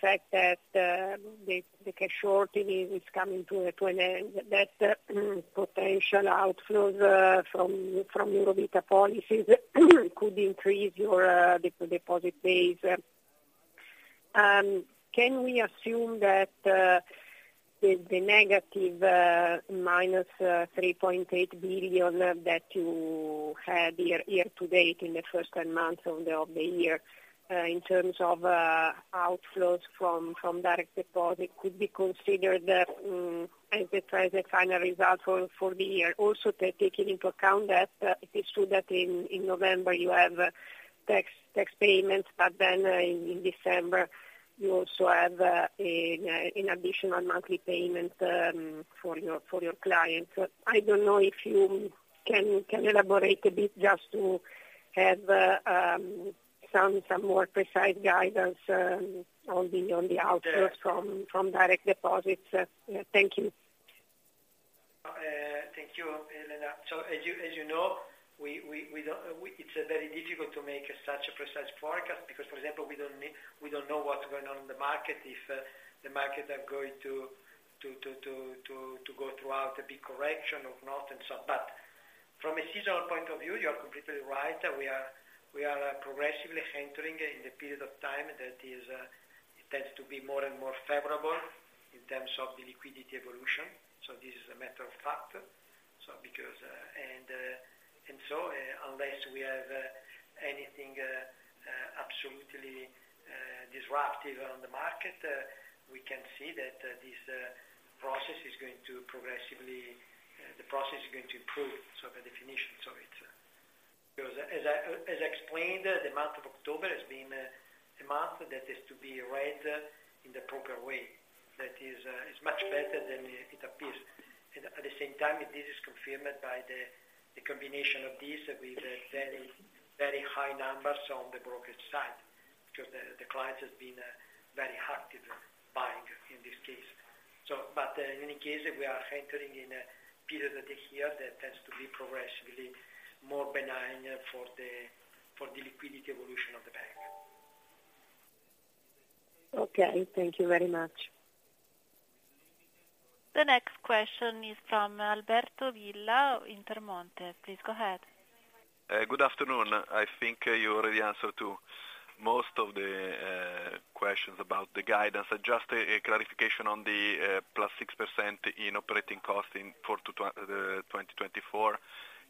fact that the CashPark is coming to an end, that potential outflows from Eurovita policies could increase your deposit base. Can we assume that the negative minus -3.8 billion that you had year to date in the first 10 months of the year in terms of outflows from direct deposit could be considered as the final result for the year. Also, taking into account that, it is true that in November, you have tax payments, but then in December, you also have an additional monthly payment for your clients. I don't know if you can elaborate a bit just to have some more precise guidance on the outflows from direct deposits. Thank you. Thank you, Elena. So as you know, we don't—it's very difficult to make such a precise forecast because, for example, we don't know what's going on in the market. If the market are going to go through a big correction or not, and so on. But from a seasonal point of view, you are completely right. We are progressively entering in a period of time that tends to be more and more favorable in terms of the liquidity evolution. So this is a matter of fact. So, unless we have anything absolutely disruptive on the market, we can see that this process is going to progressively improve, so the definitions of it. Because as I explained, the month of October has been a month that is to be read in the proper way. That is, is much better than it appears. And at the same time, this is confirmed by the combination of this with very, very high numbers on the brokerage side, because the clients has been very active, buying in this case. So but, in any case, we are entering in a period of the year that tends to be progressively more benign for the liquidity evolution of the bank. Okay, thank you very much. The next question is from Alberto Villa, Intermonte. Please go ahead. Good afternoon. I think you already answered to most of the questions about the guidance. Just a clarification on the +6% in operating costs in 2024.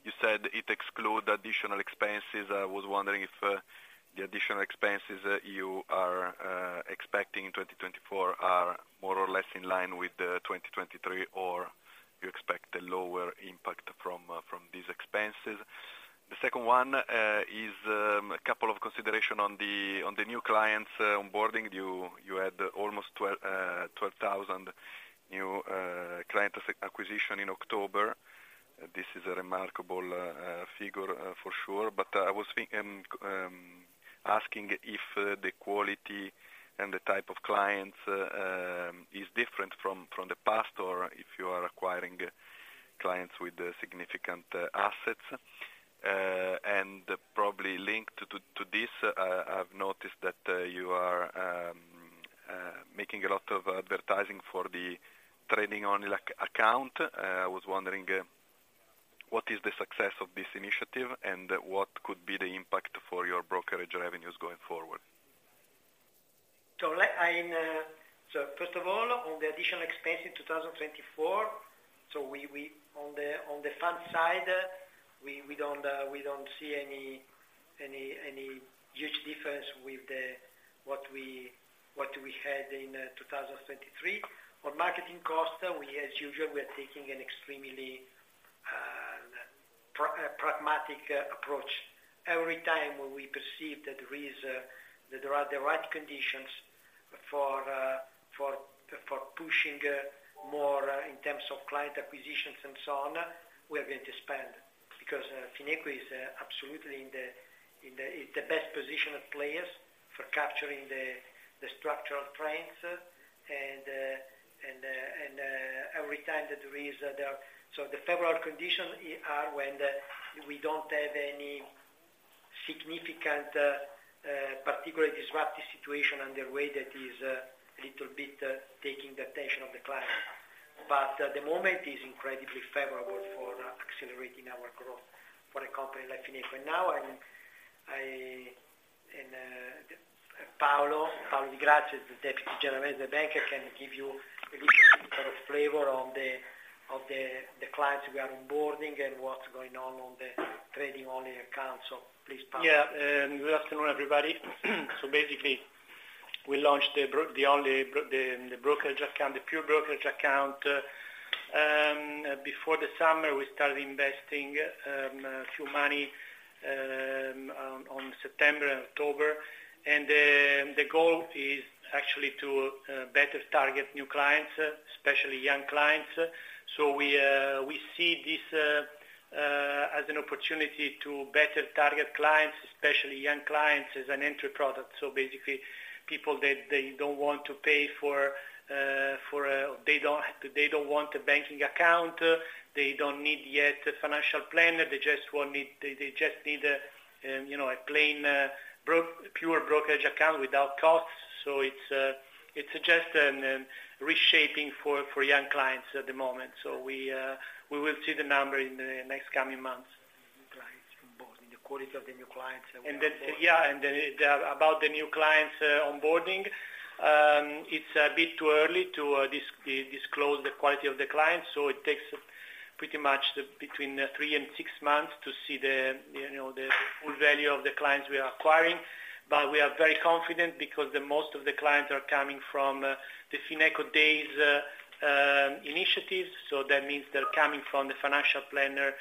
You said it excludes additional expenses. I was wondering if the additional expenses that you are expecting in 2024 are more or less in line with 2023, or you expect a lower impact from these expenses? The second one is a couple of consideration on the new clients onboarding. You had almost 12,000 new client acquisition in October. This is a remarkable figure for sure. But I was thinking asking if the quality and the type of clients is different from the past, or if you are acquiring clients with significant assets. And probably linked to this, I've noticed that you are making a lot of advertising for the trading-only, like, account. I was wondering, what is the success of this initiative, and what could be the impact for your brokerage revenues going forward? So first of all, on the additional expense in 2024, on the fund side, we don't see any huge difference with what we had in 2023. On marketing costs, as usual, we are taking an extremely pragmatic approach. Every time when we perceive that there are the right conditions for pushing more in terms of client acquisitions and so on, we are going to spend, because Fineco is absolutely in the best position of players for capturing the structural trends, and every time that there is so the favorable conditions are when we don't have any significant particularly disruptive situation on the way that is little bit taking the attention of the client. But at the moment, it is incredibly favorable for accelerating our growth for a company like Fineco. Now, Paolo Di Grazia, the Deputy General Manager of the bank, can give you a little bit of flavor on the clients we are onboarding and what's going on on the trading-only account. Please, Paolo. Yeah. Good afternoon, everybody. So basically, we launched the brokerage account, the pure brokerage account. Before the summer, we started investing a few money on September and October. And the goal is actually to better target new clients, especially young clients. So we see this as an opportunity to better target clients, especially young clients, as an entry product. So basically, people that they don't want to pay for, they don't want a banking account, they don't need yet a financial plan. They just need, you know, a plain pure brokerage account without costs. So it's just a reshaping for young clients at the moment. We will see the number in the next coming months. Client onboarding, the quality of the new clients that we are onboarding. And then, yeah, and then, about the new clients, onboarding.... it's a bit too early to disclose the quality of the clients, so it takes pretty much between 3 and 6 months to see the, you know, the full value of the clients we are acquiring. But we are very confident because the most of the clients are coming from the Fineco Days initiatives. So that means they're coming from the financial planner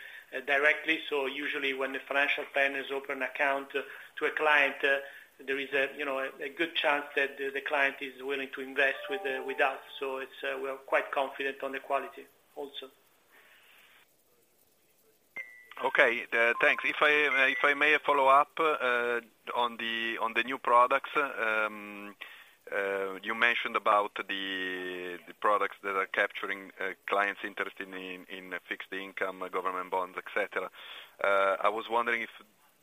directly. So usually when the financial planners open an account to a client, there is a you know a good chance that the client is willing to invest with us. So it's we are quite confident on the quality also. Okay. Thanks. If I may follow up on the new products, you mentioned about the products that are capturing clients' interest in fixed income, government bonds, et cetera. I was wondering if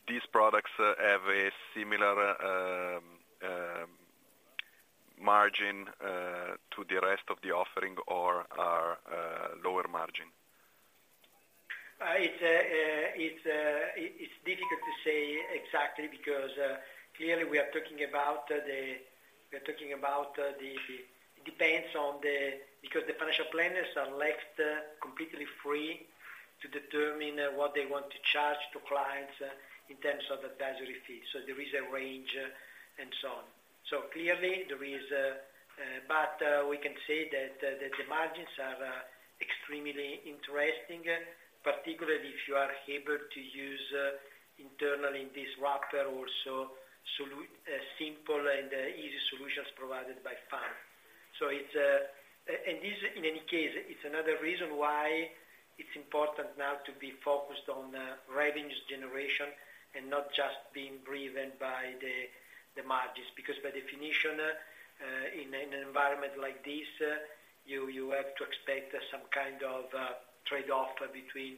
these products have a similar margin to the rest of the offering or are lower margin? It's difficult to say exactly because clearly we're talking about the. It depends on the because the financial planners are left completely free to determine what they want to charge to clients in terms of advisory fees. So there is a range and so on. So clearly there is a but we can say that the margins are extremely interesting, particularly if you are able to use internally this wrapper also, simple and easy solutions provided by Fineco. So it's and this, in any case, it's another reason why it's important now to be focused on revenues generation and not just being driven by the margins. Because by definition, in an environment like this, you have to expect some kind of trade-off between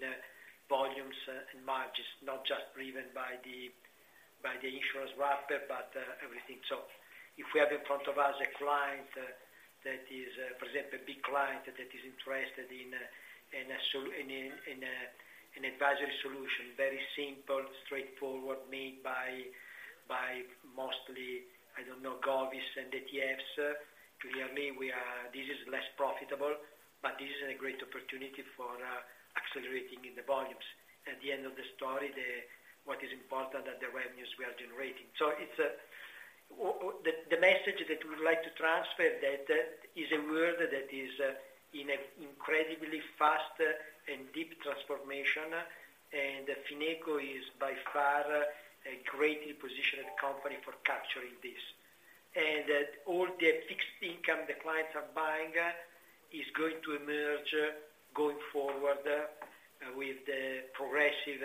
volumes and margins, not just driven by the insurance wrapper, but everything. So if we have in front of us a client that is, for example, a big client that is interested in an advisory solution, very simple, straightforward, made by mostly, I don't know, govvies and ETFs, clearly, we are, this is less profitable, but this is a great opportunity for accelerating in the volumes. At the end of the story, what is important are the revenues we are generating. So it's the message that we would like to transfer that is a world that is in an incredibly fast and deep transformation, and Fineco is by far a greatly positioned company for capturing this. And that all the fixed income the clients are buying is going to emerge, going forward, with the progressive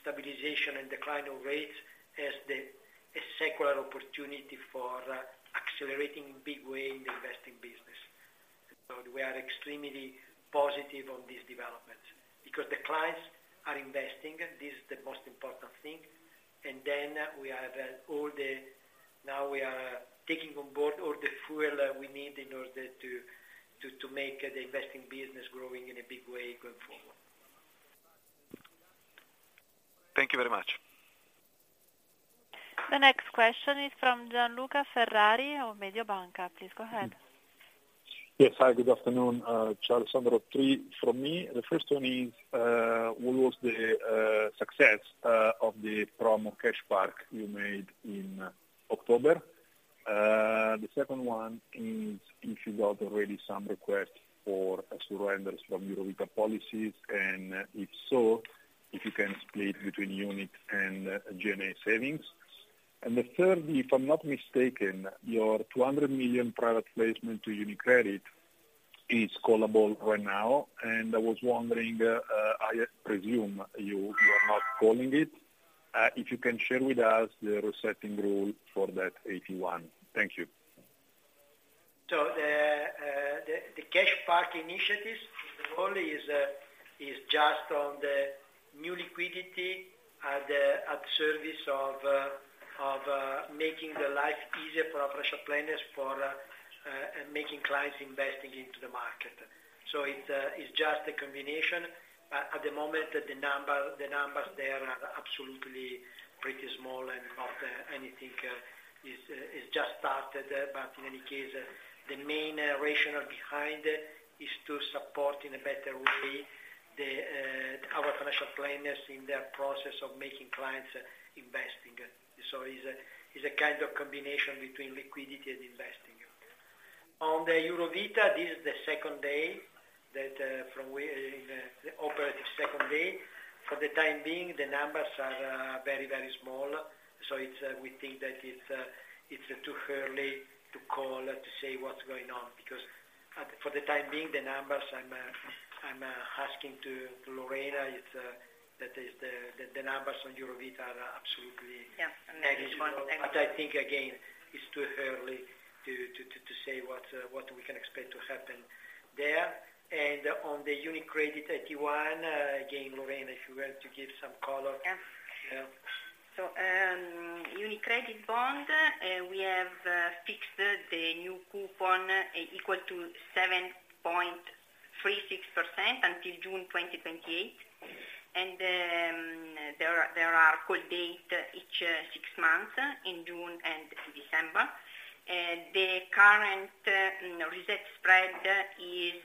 stabilization and decline of rates as a secular opportunity for accelerating in big way in the investing business. So we are extremely positive on this development because the clients are investing, this is the most important thing. And then we have all the now we are taking on board all the fuel we need in order to make the investing business growing in a big way going forward. Thank you very much. The next question is from Gianluca Ferrari of Mediobanca. Please go ahead. Yes. Hi, good afternoon. Alessandro, three from me. The first one is, what was the success of the promo CashPark you made in October? The second one is if you got already some requests for surrenders from Eurovita policies, and if so, if you can split between Unit Linked and Gestione Separata. And the third, if I'm not mistaken, your 200 million private placement to UniCredit is callable right now, and I was wondering, I presume you are not calling it. If you can share with us the resetting rule for that 81. Thank you. So the CashPark initiatives, the role is just on the new liquidity at the service of making the life easier for our professional planners, for making clients investing into the market. So it's just a combination. At the moment, the numbers there are absolutely pretty small and not anything is just started. But in any case, the main rationale behind it is to support in a better way our financial planners in their process of making clients investing. So it's a kind of combination between liquidity and investing. On the Eurovita, this is the second day that from we the operative second day. For the time being, the numbers are very, very small. So it's, we think that it's, it's too early to call, to say what's going on. Because, for the time being, the numbers, I'm asking Lorena, it's that the numbers on Eurovita are absolutely- Yeah. But I think, again, it's too early to say what we can expect to happen there. And on the UniCredit 81, again, Lorena, if you were to give some color? Yeah. Yeah. UniCredit bond, we have fixed the new coupon equal to 7.36% until June 2028. There are call dates every six months, in June and December. The current reset spread is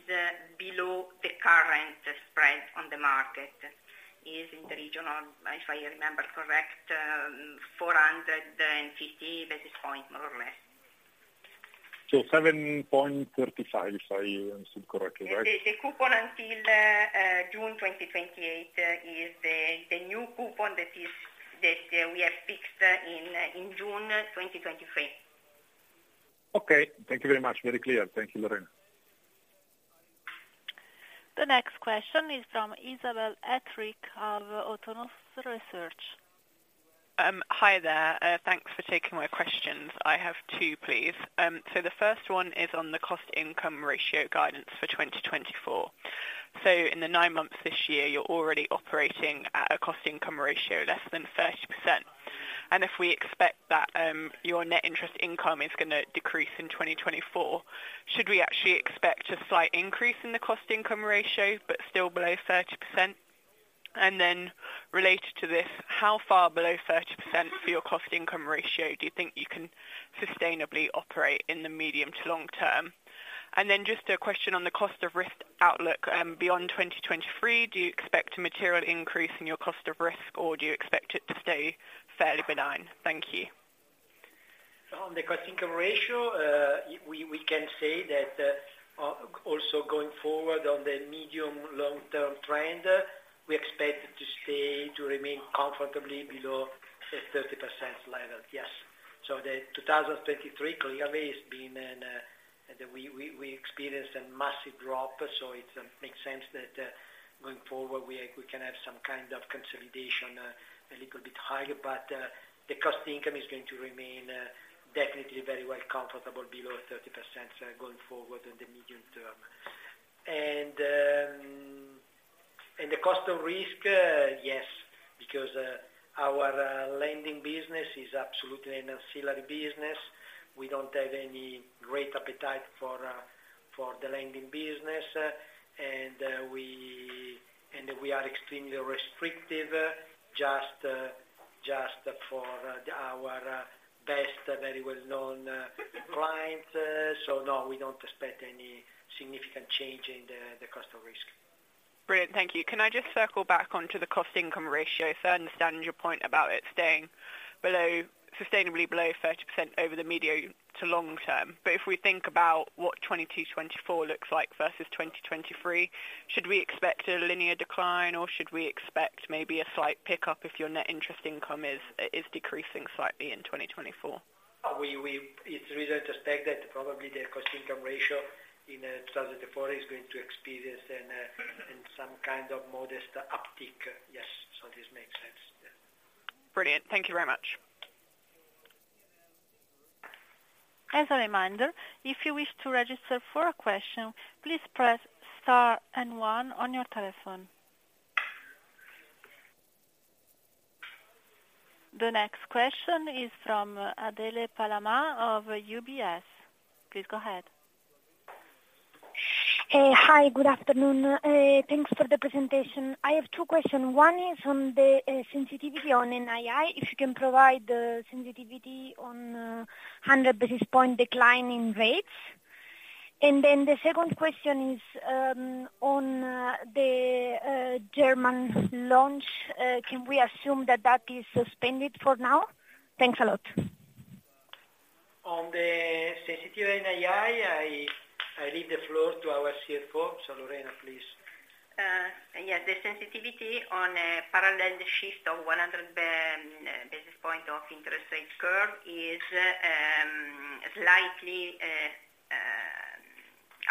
below the current spread on the market. It is in the region of, if I remember correctly, 450 basis points, more or less. 7.35, if I am correct, right? The coupon until June 2028 is the new coupon that we have fixed in June 2023. Okay. Thank you very much. Very clear. Thank you, Lorena. The next question is from Isabel Davila of Autonomous Research. Hi there. Thanks for taking my questions. I have two, please. So the first one is on the cost-income ratio guidance for 2024. In the nine months this year, you're already operating at a cost-income ratio less than 30%. And if we expect that your net interest income is gonna decrease in 2024, should we actually expect a slight increase in the cost-income ratio, but still below 30%? And then related to this, how far below 30% for your cost-income ratio do you think you can sustainably operate in the medium to long term? And then just a question on the cost of risk outlook beyond 2023, do you expect a material increase in your cost of risk, or do you expect it to stay fairly benign? Thank you. On the cost-income ratio, we can say that also going forward on the medium long-term trend, we expect it to stay, to remain comfortably below the 30% level. Yes. So 2023 clearly has been a massive drop, so it makes sense that going forward we can have some kind of consolidation, a little bit higher. But the cost-income is going to remain definitely very well comfortable below 30%, going forward in the medium term. And the cost of risk, yes, because our lending business is absolutely an ancillary business. We don't have any great appetite for the lending business, and we are extremely restrictive, just for our best, very well-known clients. So no, we don't expect any significant change in the cost of risk. Brilliant. Thank you. Can I just circle back onto the Cost-Income Ratio? So I understand your point about it staying below, sustainably below 30% over the medium to long term. But if we think about what 2024 looks like versus 2023, should we expect a linear decline, or should we expect maybe a slight pickup if your net interest income is decreasing slightly in 2024? It's reasonable to expect that probably the Cost-Income Ratio in 2024 is going to experience an in some kind of modest uptick. Yes. So this makes sense. Yeah. Brilliant. Thank you very much. As a reminder, if you wish to register for a question, please press star and one on your telephone. The next question is from Adele Palama of UBS. Please go ahead. Hi, good afternoon. Thanks for the presentation. I have two questions. One is on the sensitivity on NII, if you can provide the sensitivity on 100 basis point decline in rates. And then the second question is on the German launch. Can we assume that that is suspended for now? Thanks a lot. On the sensitivity NII, I leave the floor to our CFO. So Lorena, please. Yes, the sensitivity on a parallel shift of 100 basis points of interest rate curve is slightly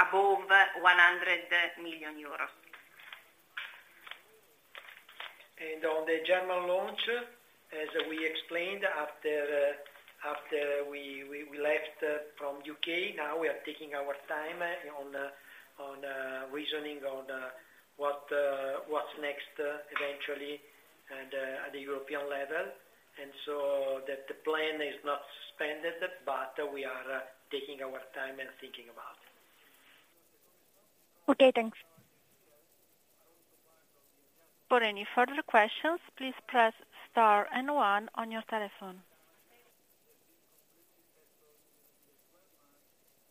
above EUR 100 million. On the German launch, as we explained after we left from U.K., now we are taking our time on reasoning on what's next, eventually, and at the European level. So that the plan is not suspended, but we are taking our time and thinking about it. Okay, thanks. For any further questions, please press star and one on your telephone.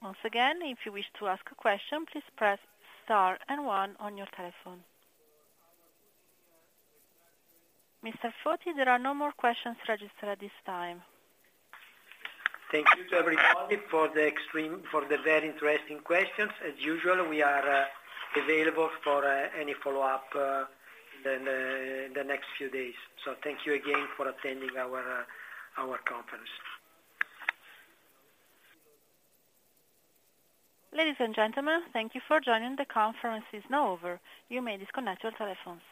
Once again, if you wish to ask a question, please press star and one on your telephone. Mr. Foti, there are no more questions registered at this time. Thank you to everybody for the very interesting questions. As usual, we are available for any follow-up in the next few days. So thank you again for attending our conference. Ladies and gentlemen, thank you for joining. The conference is now over. You may disconnect your telephones.